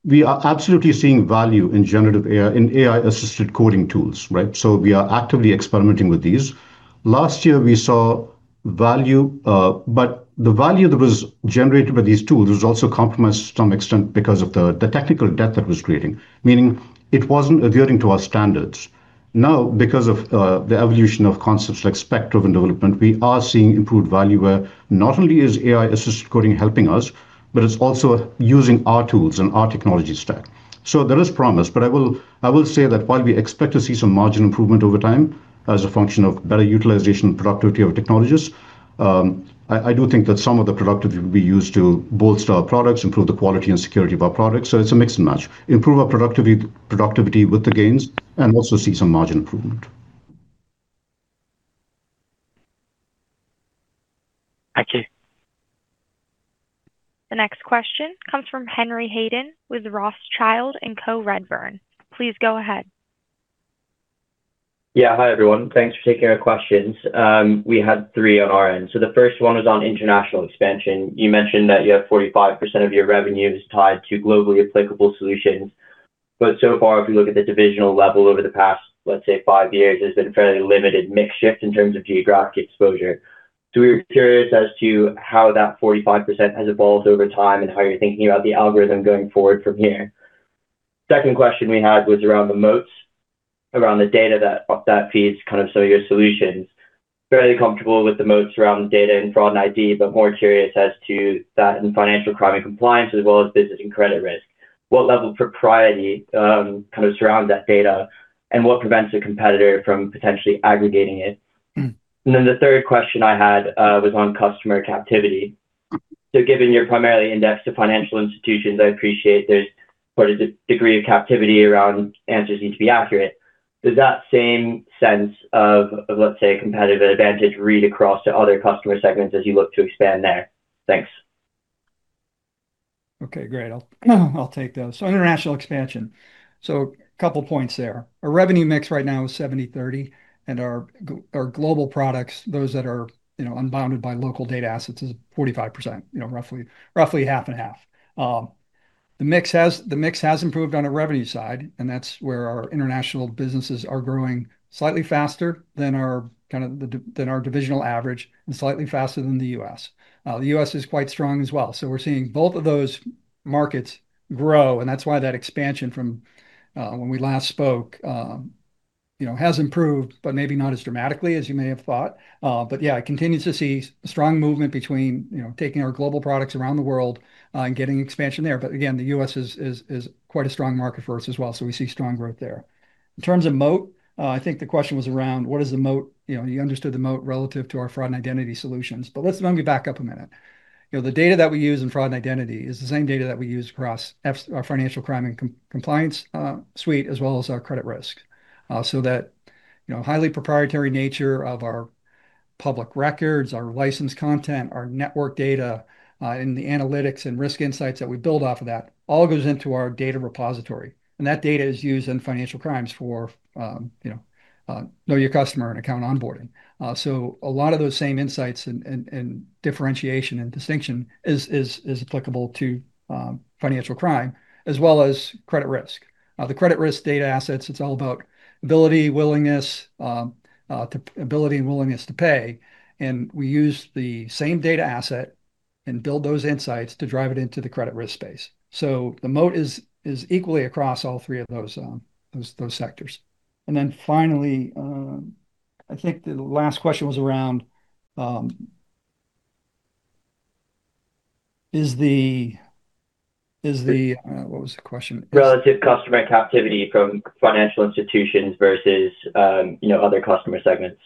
We are absolutely seeing value in AI-assisted coding tools, right? We are actively experimenting with these. Last year, we saw value, but the value that was generated by these tools was also compromised to some extent because of the technical debt that was creating, meaning it wasn't adhering to our standards. Because of the evolution of concepts like Spectra development, we are seeing improved value where not only is AI-assisted coding helping us, but it's also using our tools and our technology stack. There is promise, but I will say that while we expect to see some margin improvement over time as a function of better utilization and productivity of technologies, I do think that some of the productivity will be used to bolster our products, improve the quality and security of our products. It's a mix and match. Improve our productivity with the gains and also see some margin improvement. Thank you. The next question comes from Henry Hayden with Rothschild & Co Redburn. Please go ahead. Yeah. Hi, everyone. Thanks for taking our questions. We had three on our end. The first one was on international expansion. You mentioned that you have 45% of your revenue is tied to globally applicable solutions. So far, if you look at the divisional level over the past, let's say, five years, there's been fairly limited mix shift in terms of geographic exposure. We were curious as to how that 45% has evolved over time and how you're thinking about the algorithm going forward from here. Second question we had was around the moats, around the data that feeds kind of some of your solutions. Fairly comfortable with the moats around data and fraud and ID, but more curious as to that in financial crime and compliance as well as business and credit risk. What level of propriety, kind of surround that data, and what prevents a competitor from potentially aggregating it? The third question I had was on customer captivity. Given you're primarily indexed to financial institutions, I appreciate there's sort of this degree of captivity around answers need to be accurate. Does that same sense of, let's say, competitive advantage read across to other customer segments as you look to expand there? Thanks. Okay, great. I'll take those. International expansion. Two points there. Our revenue mix right now is 70/30, and our global products, those that are, you know, unbounded by local data assets is 45%, you know, roughly half and half. The mix has improved on the revenue side, and that's where our international businesses are growing slightly faster than our kind of than our divisional average and slightly faster than the U.S. The U.S. is quite strong as well. We're seeing both of those markets grow, and that's why that expansion from when we last spoke, you know, has improved, but maybe not as dramatically as you may have thought. Yeah, continue to see strong movement between, you know, taking our global products around the world and getting expansion there. Again, the U.S. is quite a strong market for us as well, so we see strong growth there. In terms of moat, I think the question was around what is the moat? You know, you understood the moat relative to our fraud and identity solutions, but let's maybe back up a minute. You know, the data that we use in fraud and identity is the same data that we use across our financial crime and compliance suite, as well as our credit risk. That, you know, highly proprietary nature of our public records, our license content, our network data, and the analytics and risk insights that we build off of that all goes into our data repository, and that data is used in financial crimes for, you know your customer and account onboarding. A lot of those same insights and differentiation and distinction is applicable to financial crime as well as credit risk. The credit risk data assets, it's all about ability, willingness, ability and willingness to pay, and we use the same data asset and build those insights to drive it into the credit risk space. The moat is equally across all three of those sectors. Finally, I think the last question was around, is the, what was the question? Relative customer captivity from financial institutions versus, you know, other customer segments.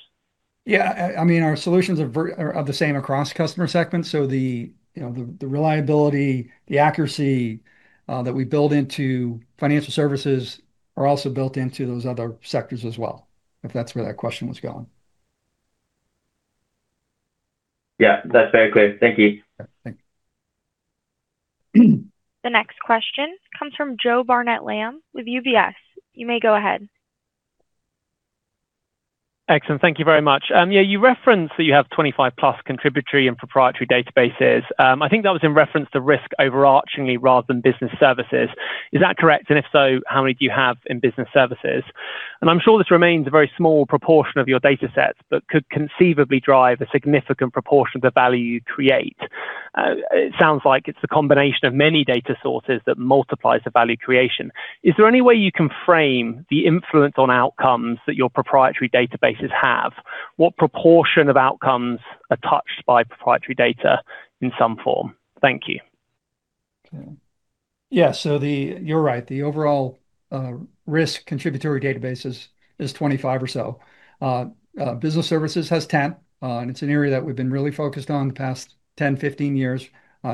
Yeah. I mean, our solutions are the same across customer segments. You know, the reliability, the accuracy that we build into financial services are also built into those other sectors as well, if that's where that question was going. Yeah, that's very clear. Thank you. Yeah. Thanks. The next question comes from Jo Barnet-Lamb with UBS. You may go ahead. Excellent. Thank you very much. You referenced that you have 25+ contributory and proprietary databases. I think that was in reference to risk overarchingly rather than business services. Is that correct? If so, how many do you have in business services? I'm sure this remains a very small proportion of your data sets, but could conceivably drive a significant proportion of the value you create. It sounds like it's the combination of many data sources that multiplies the value creation. Is there any way you can frame the influence on outcomes that your proprietary databases have? What proportion of outcomes are touched by proprietary data in some form? Thank you. Okay. Yeah. You're right. The overall risk contributory databases is 25 or so. Business Services has 10, and it's an area that we've been really focused on the past 10, 15 years,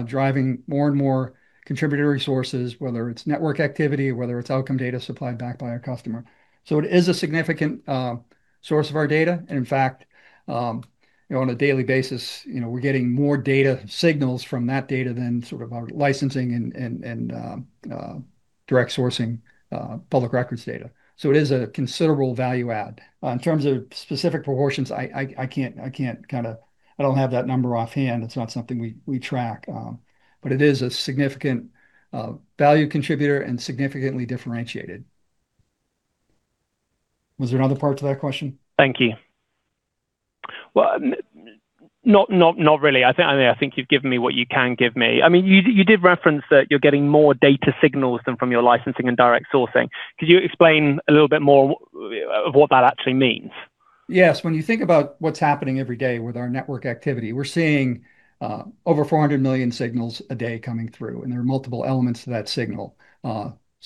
driving more and more contributory sources, whether it's network activity, whether it's outcome data supplied back by our customer. It is a significant source of our data. In fact, you know, on a daily basis, you know, we're getting more data signals from that data than sort of our licensing and direct sourcing public records data. It is a considerable value add. In terms of specific proportions, I can't, I don't have that number offhand. It's not something we track. But it is a significant value contributor and significantly differentiated. Was there another part to that question? Thank you. Well, not really. I mean, I think you've given me what you can give me. I mean, you did reference that you're getting more data signals than from your licensing and direct sourcing. Could you explain a little bit more of what that actually means? Yes. When you think about what's happening every day with our network activity, we're seeing over 400 million signals a day coming through. There are multiple elements to that signal.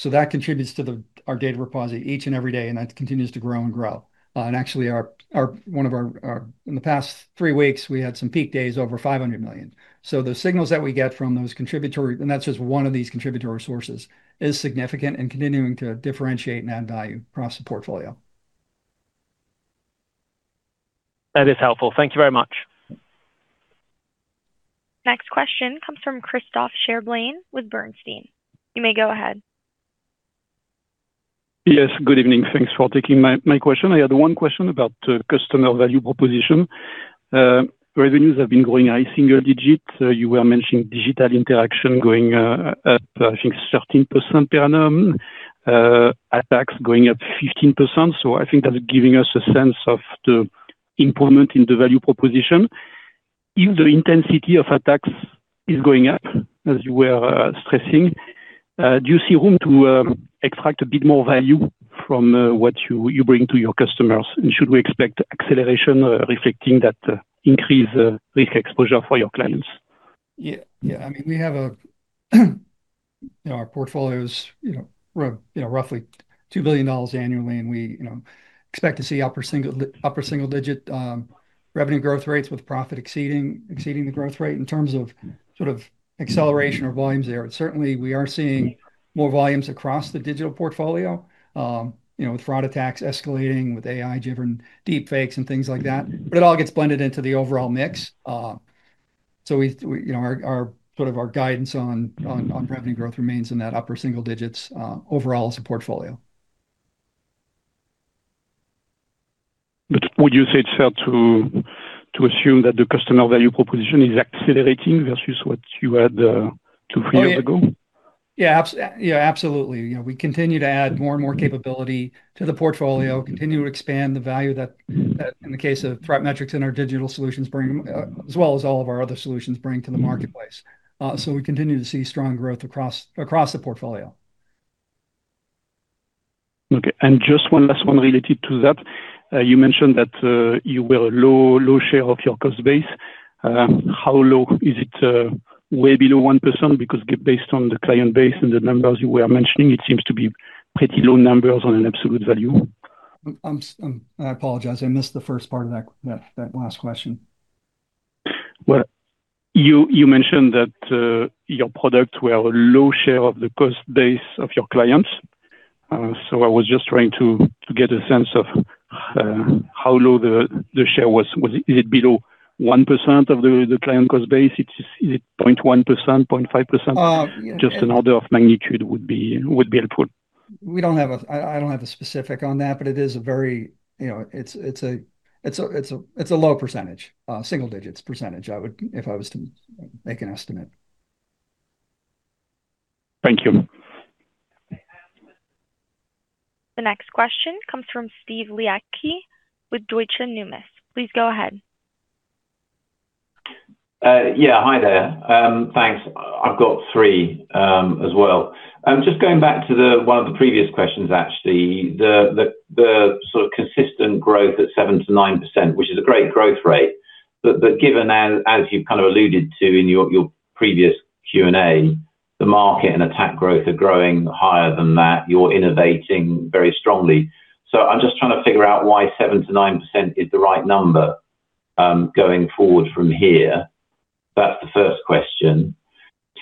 That contributes to our data repository each and every day, and that continues to grow and grow. Actually, one of our, in the past three weeks, we had some peak days over 500 million. The signals that we get from those contributory, that's just one of these contributory sources, is significant and continuing to differentiate and add value across the portfolio. That is helpful. Thank you very much. Next question comes from Christophe Cherblanc with Bernstein. You may go ahead. Yes. Good evening. Thanks for taking my question. I had one question about customer value proposition. Revenues have been growing high single digits. You were mentioning digital interaction going at, I think, 13% per annum. Attacks going up 15%, so I think that's giving us a sense of the improvement in the value proposition. If the intensity of attacks is going up, as you were stressing, do you see room to extract a bit more value from what you bring to your customers? Should we expect acceleration reflecting that increased risk exposure for your clients? Yeah. Yeah. I mean, we have a, you know, our portfolios, you know, roughly GBP 2 billion annually, we, you know, expect to see upper single-digit revenue growth rates with profit exceeding the growth rate in terms of sort of acceleration or volumes there. Certainly, we are seeing more volumes across the digital portfolio, you know, with fraud attacks escalating, with AI-driven deepfakes and things like that, it all gets blended into the overall mix. We, you know, our sort of our guidance on revenue growth remains in that upper single digits overall as a portfolio. Would you say it's fair to assume that the customer value proposition is accelerating versus what you had, two, three years ago? Oh, yeah. Absolutely. You know, we continue to add more and more capability to the portfolio, continue to expand the value that in the case of ThreatMetrix in our digital solutions bring, as well as all of our other solutions bring to the marketplace. We continue to see strong growth across the portfolio. Okay. Just one last one related to that. You mentioned that you were low share of your cost base. How low? Is it way below 1%? Based on the client base and the numbers you were mentioning, it seems to be pretty low numbers on an absolute value. I'm, I apologize. I missed the first part of that last question. Well, you mentioned that your products were a low share of the cost base of your clients, so I was just trying to get a sense of how low the share was. Was it below 1% of the client cost base? Is it 0.1%, 0.5%? Um- Just an order of magnitude would be helpful. I don't have a specific on that, but it is a very, you know, it's a low percentage, single-digit percentage, I would, if I was to make an estimate. Thank you. The next question comes from Steve Liechti with Deutsche Numis. Please go ahead. Yeah. Hi there. Thanks. I've got three as well. Just going back to one of the previous questions, actually, the sort of consistent growth at 7%-9%, which is a great growth rate, but given as you've kind of alluded to in your previous Q&A, the market and attack growth are growing higher than that, you're innovating very strongly. I'm just trying to figure out why 7%-9% is the right number going forward from here. That's the first question.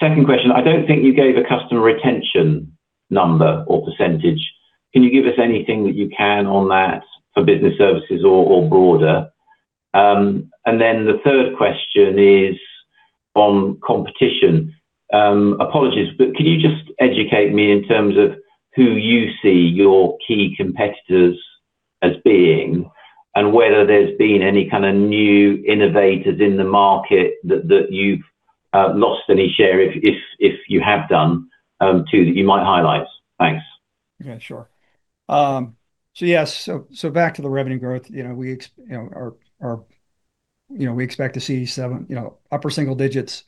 Second question, I don't think you gave a customer retention number or percentage. Can you give us anything that you can on that for business services or broader? The third question is on competition. Apologies, can you just educate me in terms of who you see your key competitors as being and whether there's been any kind of new innovators in the market that you've lost any share if you have done, too, that you might highlight? Thanks. Yeah, sure. Yes. Back to the revenue growth. You know, we You know, our, you know, we expect to see seven, you know, upper single digits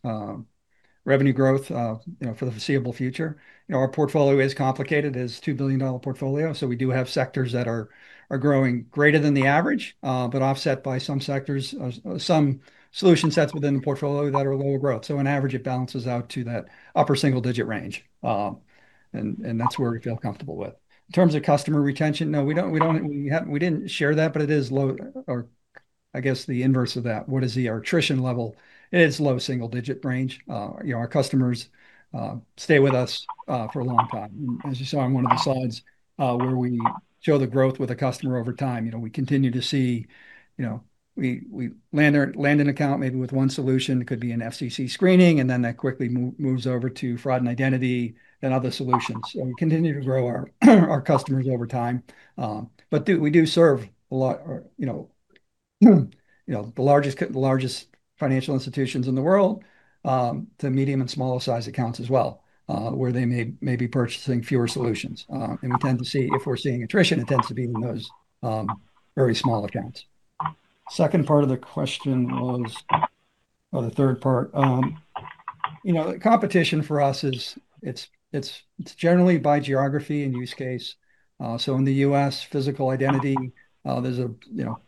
revenue growth, you know, for the foreseeable future. You know, our portfolio is complicated. It is a GBP 2 billion portfolio. We do have sectors that are growing greater than the average, but offset by some sectors, some solution sets within the portfolio that are lower growth. On average, it balances out to that upper single digit range. And that's where we feel comfortable with. In terms of customer retention, no, we don't we didn't share that, but it is low or I guess the inverse of that. What is the attrition level? It is low single digit range. You know, our customers stay with us for a long time. As you saw in one of the slides, where we show the growth with a customer over time, you know, we continue to see, you know, we land their, land an account maybe with one solution. It could be an FC&C screening, that quickly moves over to fraud and identity and other solutions. We continue to grow our customers over time. Do, we do serve a lot or, you know, you know, the largest financial institutions in the world, to medium and smaller size accounts as well, where they may be purchasing fewer solutions. We tend to see, if we're seeing attrition, it tends to be in those very small accounts. Second part of the question was, or the third part, You know, competition for us is, it's generally by geography and use case. So in the U.S., physical identity, you know,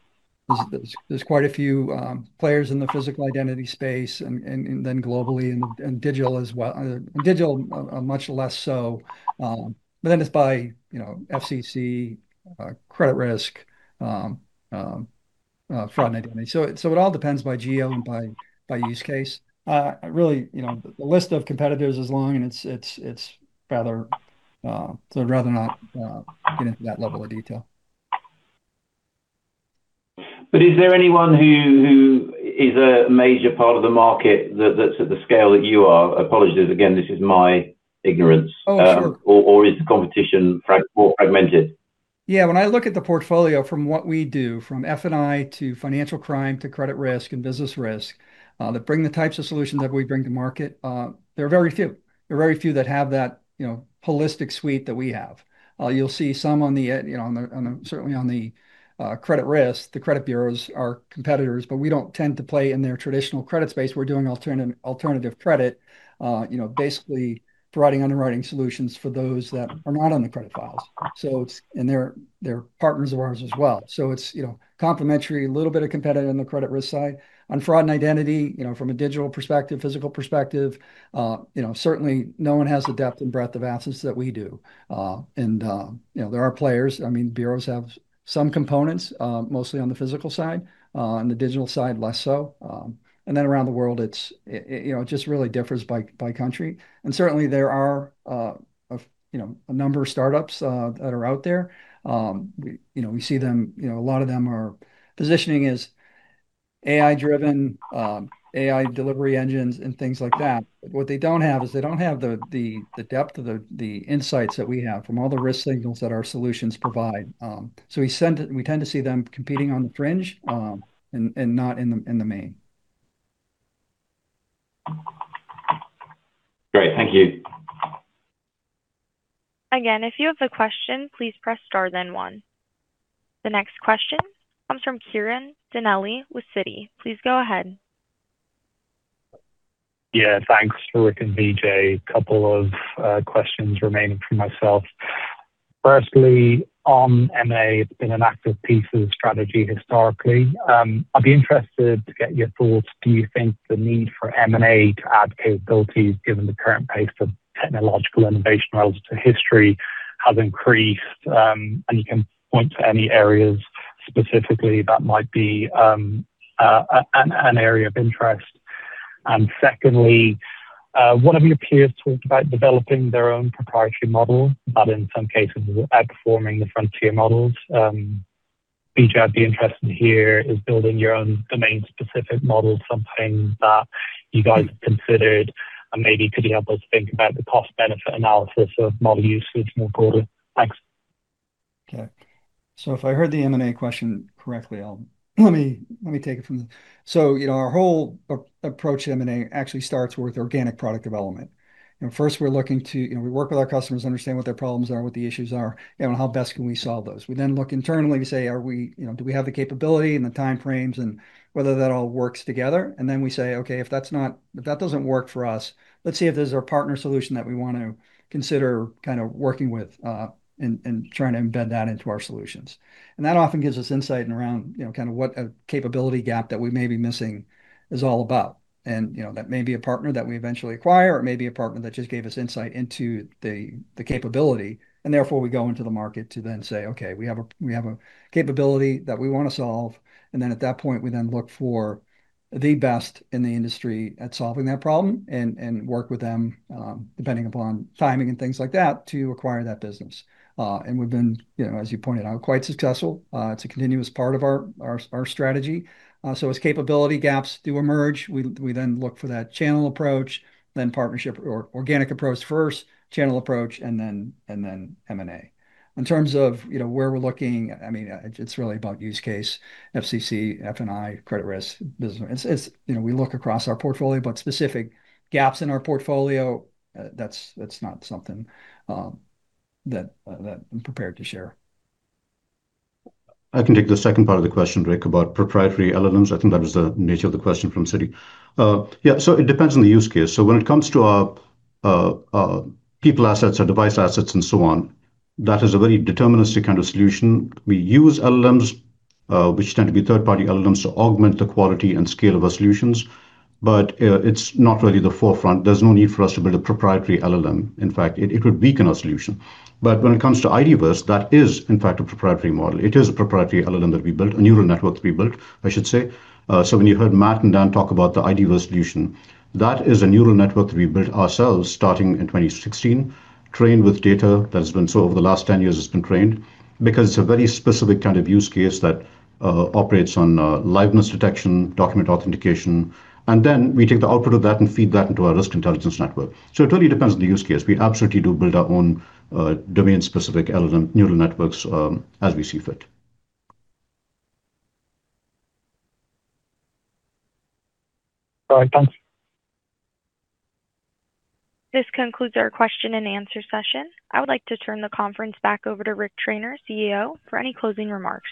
there's quite a few players in the physical identity space and then globally and digital as well. Digital, much less so. It's by, you know, FC&C, credit risk, fraud and identity. It all depends by geo and by use case. Really, you know, the list of competitors is long. I'd rather not get into that level of detail. Is there anyone who is a major part of the market that's at the scale that you are? Apologies again, this is my ignorance. Oh, sure. Or is the competition more fragmented? When I look at the portfolio from what we do, from F&I to financial crime to credit risk and business risk, that bring the types of solutions that we bring to market, there are very few. There are very few that have that, you know, holistic suite that we have. You'll see some on the, you know, certainly on the credit risk. The credit bureaus are competitors, we don't tend to play in their traditional credit space. We're doing alternative credit, you know, basically providing underwriting solutions for those that are not on the credit files. They're partners of ours as well. It's, you know, complementary, a little bit of competitive on the credit risk side. On fraud and identity, you know, from a digital perspective, physical perspective, you know, certainly no one has the depth and breadth of assets that we do. You know, there are players. I mean, bureaus have some components, mostly on the physical side. On the digital side, less so. Around the world it's, it, you know, it just really differs by country. Certainly there are, you know, a number of startups that are out there. We, you know, we see them, you know, a lot of them are positioning as AI-driven, AI delivery engines and things like that. What they don't have is they don't have the depth of the insights that we have from all the risk signals that our solutions provide. We tend to see them competing on the fringe, and not in the main. Great. Thank you. Again, if you have a question, please press star then one. The next question comes from Ciaran Donnelly with Citi. Please go ahead. Thanks, Rick and Vijay. Couple of questions remaining for myself. Firstly, on M&A, it's been an active piece of the strategy historically. I'd be interested to get your thoughts. Do you think the need for M&A to add capabilities given the current pace of technological innovation relative to history has increased? You can point to any areas specifically that might be an area of interest. Secondly, one of your peers talked about developing their own proprietary model, but in some cases outperforming the frontier models. Vijay, I'd be interested to hear, is building your own domain-specific model something that you guys have considered and maybe could you help us think about the cost-benefit analysis of model usage moving forward? Thanks. Okay. If I heard the M&A question correctly, you know, our whole approach to M&A actually starts with organic product development. You know, first we're looking to, you know, we work with our customers to understand what their problems are, what the issues are, you know, and how best can we solve those. We look internally to say, are we, you know, do we have the capability and the time frames and whether that all works together. Then we say, Okay, if that doesn't work for us, let's see if there's a partner solution that we want to consider kind of working with, and trying to embed that into our solutions. That often gives us insight in around, you know, kind of what a capability gap that we may be missing is all about. You know, that may be a partner that we eventually acquire, or it may be a partner that just gave us insight into the capability, and therefore we go into the market to then say, okay, we have a capability that we want to solve. At that point, we then look for the best in the industry at solving that problem and work with them, depending upon timing and things like that, to acquire that business. We've been, you know, as you pointed out, quite successful. It's a continuous part of our strategy. As capability gaps do emerge, we then look for that channel approach, then partnership or organic approach first, channel approach, and then M&A. In terms of, you know, where we're looking, I mean, it's really about use case, FC&C, F&I, credit risk, business. It's, you know, we look across our portfolio, but specific gaps in our portfolio, that's not something that I'm prepared to share. I can take the second part of the question, Rick, about proprietary LLMs. I think that was the nature of the question from Citi. Yeah, it depends on the use case. When it comes to our people assets, our device assets, and so on, that is a very deterministic kind of solution. We use LLMs, which tend to be third-party LLMs, to augment the quality and scale of our solutions. It's not really the forefront. There's no need for us to build a proprietary LLM. In fact, it would weaken our solution. When it comes to IDVerse, that is in fact a proprietary model. It is a proprietary LLM that we built, a neural network that we built, I should say. When you heard Matt and Dan talk about the IDVerse solution, that is a neural network that we built ourselves starting in 2016, trained with data over the last 10 years it's been trained. It's a very specific kind of use case that operates on liveness detection, document authentication, and then we take the output of that and feed that into our Risk Intelligence Network. It totally depends on the use case. We absolutely do build our own domain-specific LLM neural networks as we see fit. All right. Thanks. This concludes our question and answer session. I would like to turn the conference back over to Rick Trainor, CEO, for any closing remarks.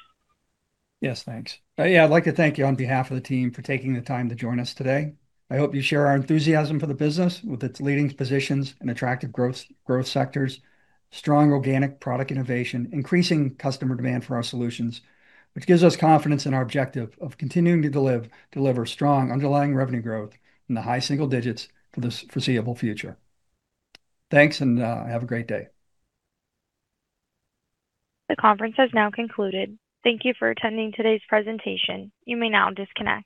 Yes. Thanks. I'd like to thank you on behalf of the team for taking the time to join us today. I hope you share our enthusiasm for the business with its leading positions in attractive growth sectors, strong organic product innovation, increasing customer demand for our solutions, which gives us confidence in our objective of continuing to deliver strong underlying revenue growth in the high single digits for the foreseeable future. Thanks. Have a great day. The conference has now concluded. Thank you for attending today's presentation. You may now disconnect.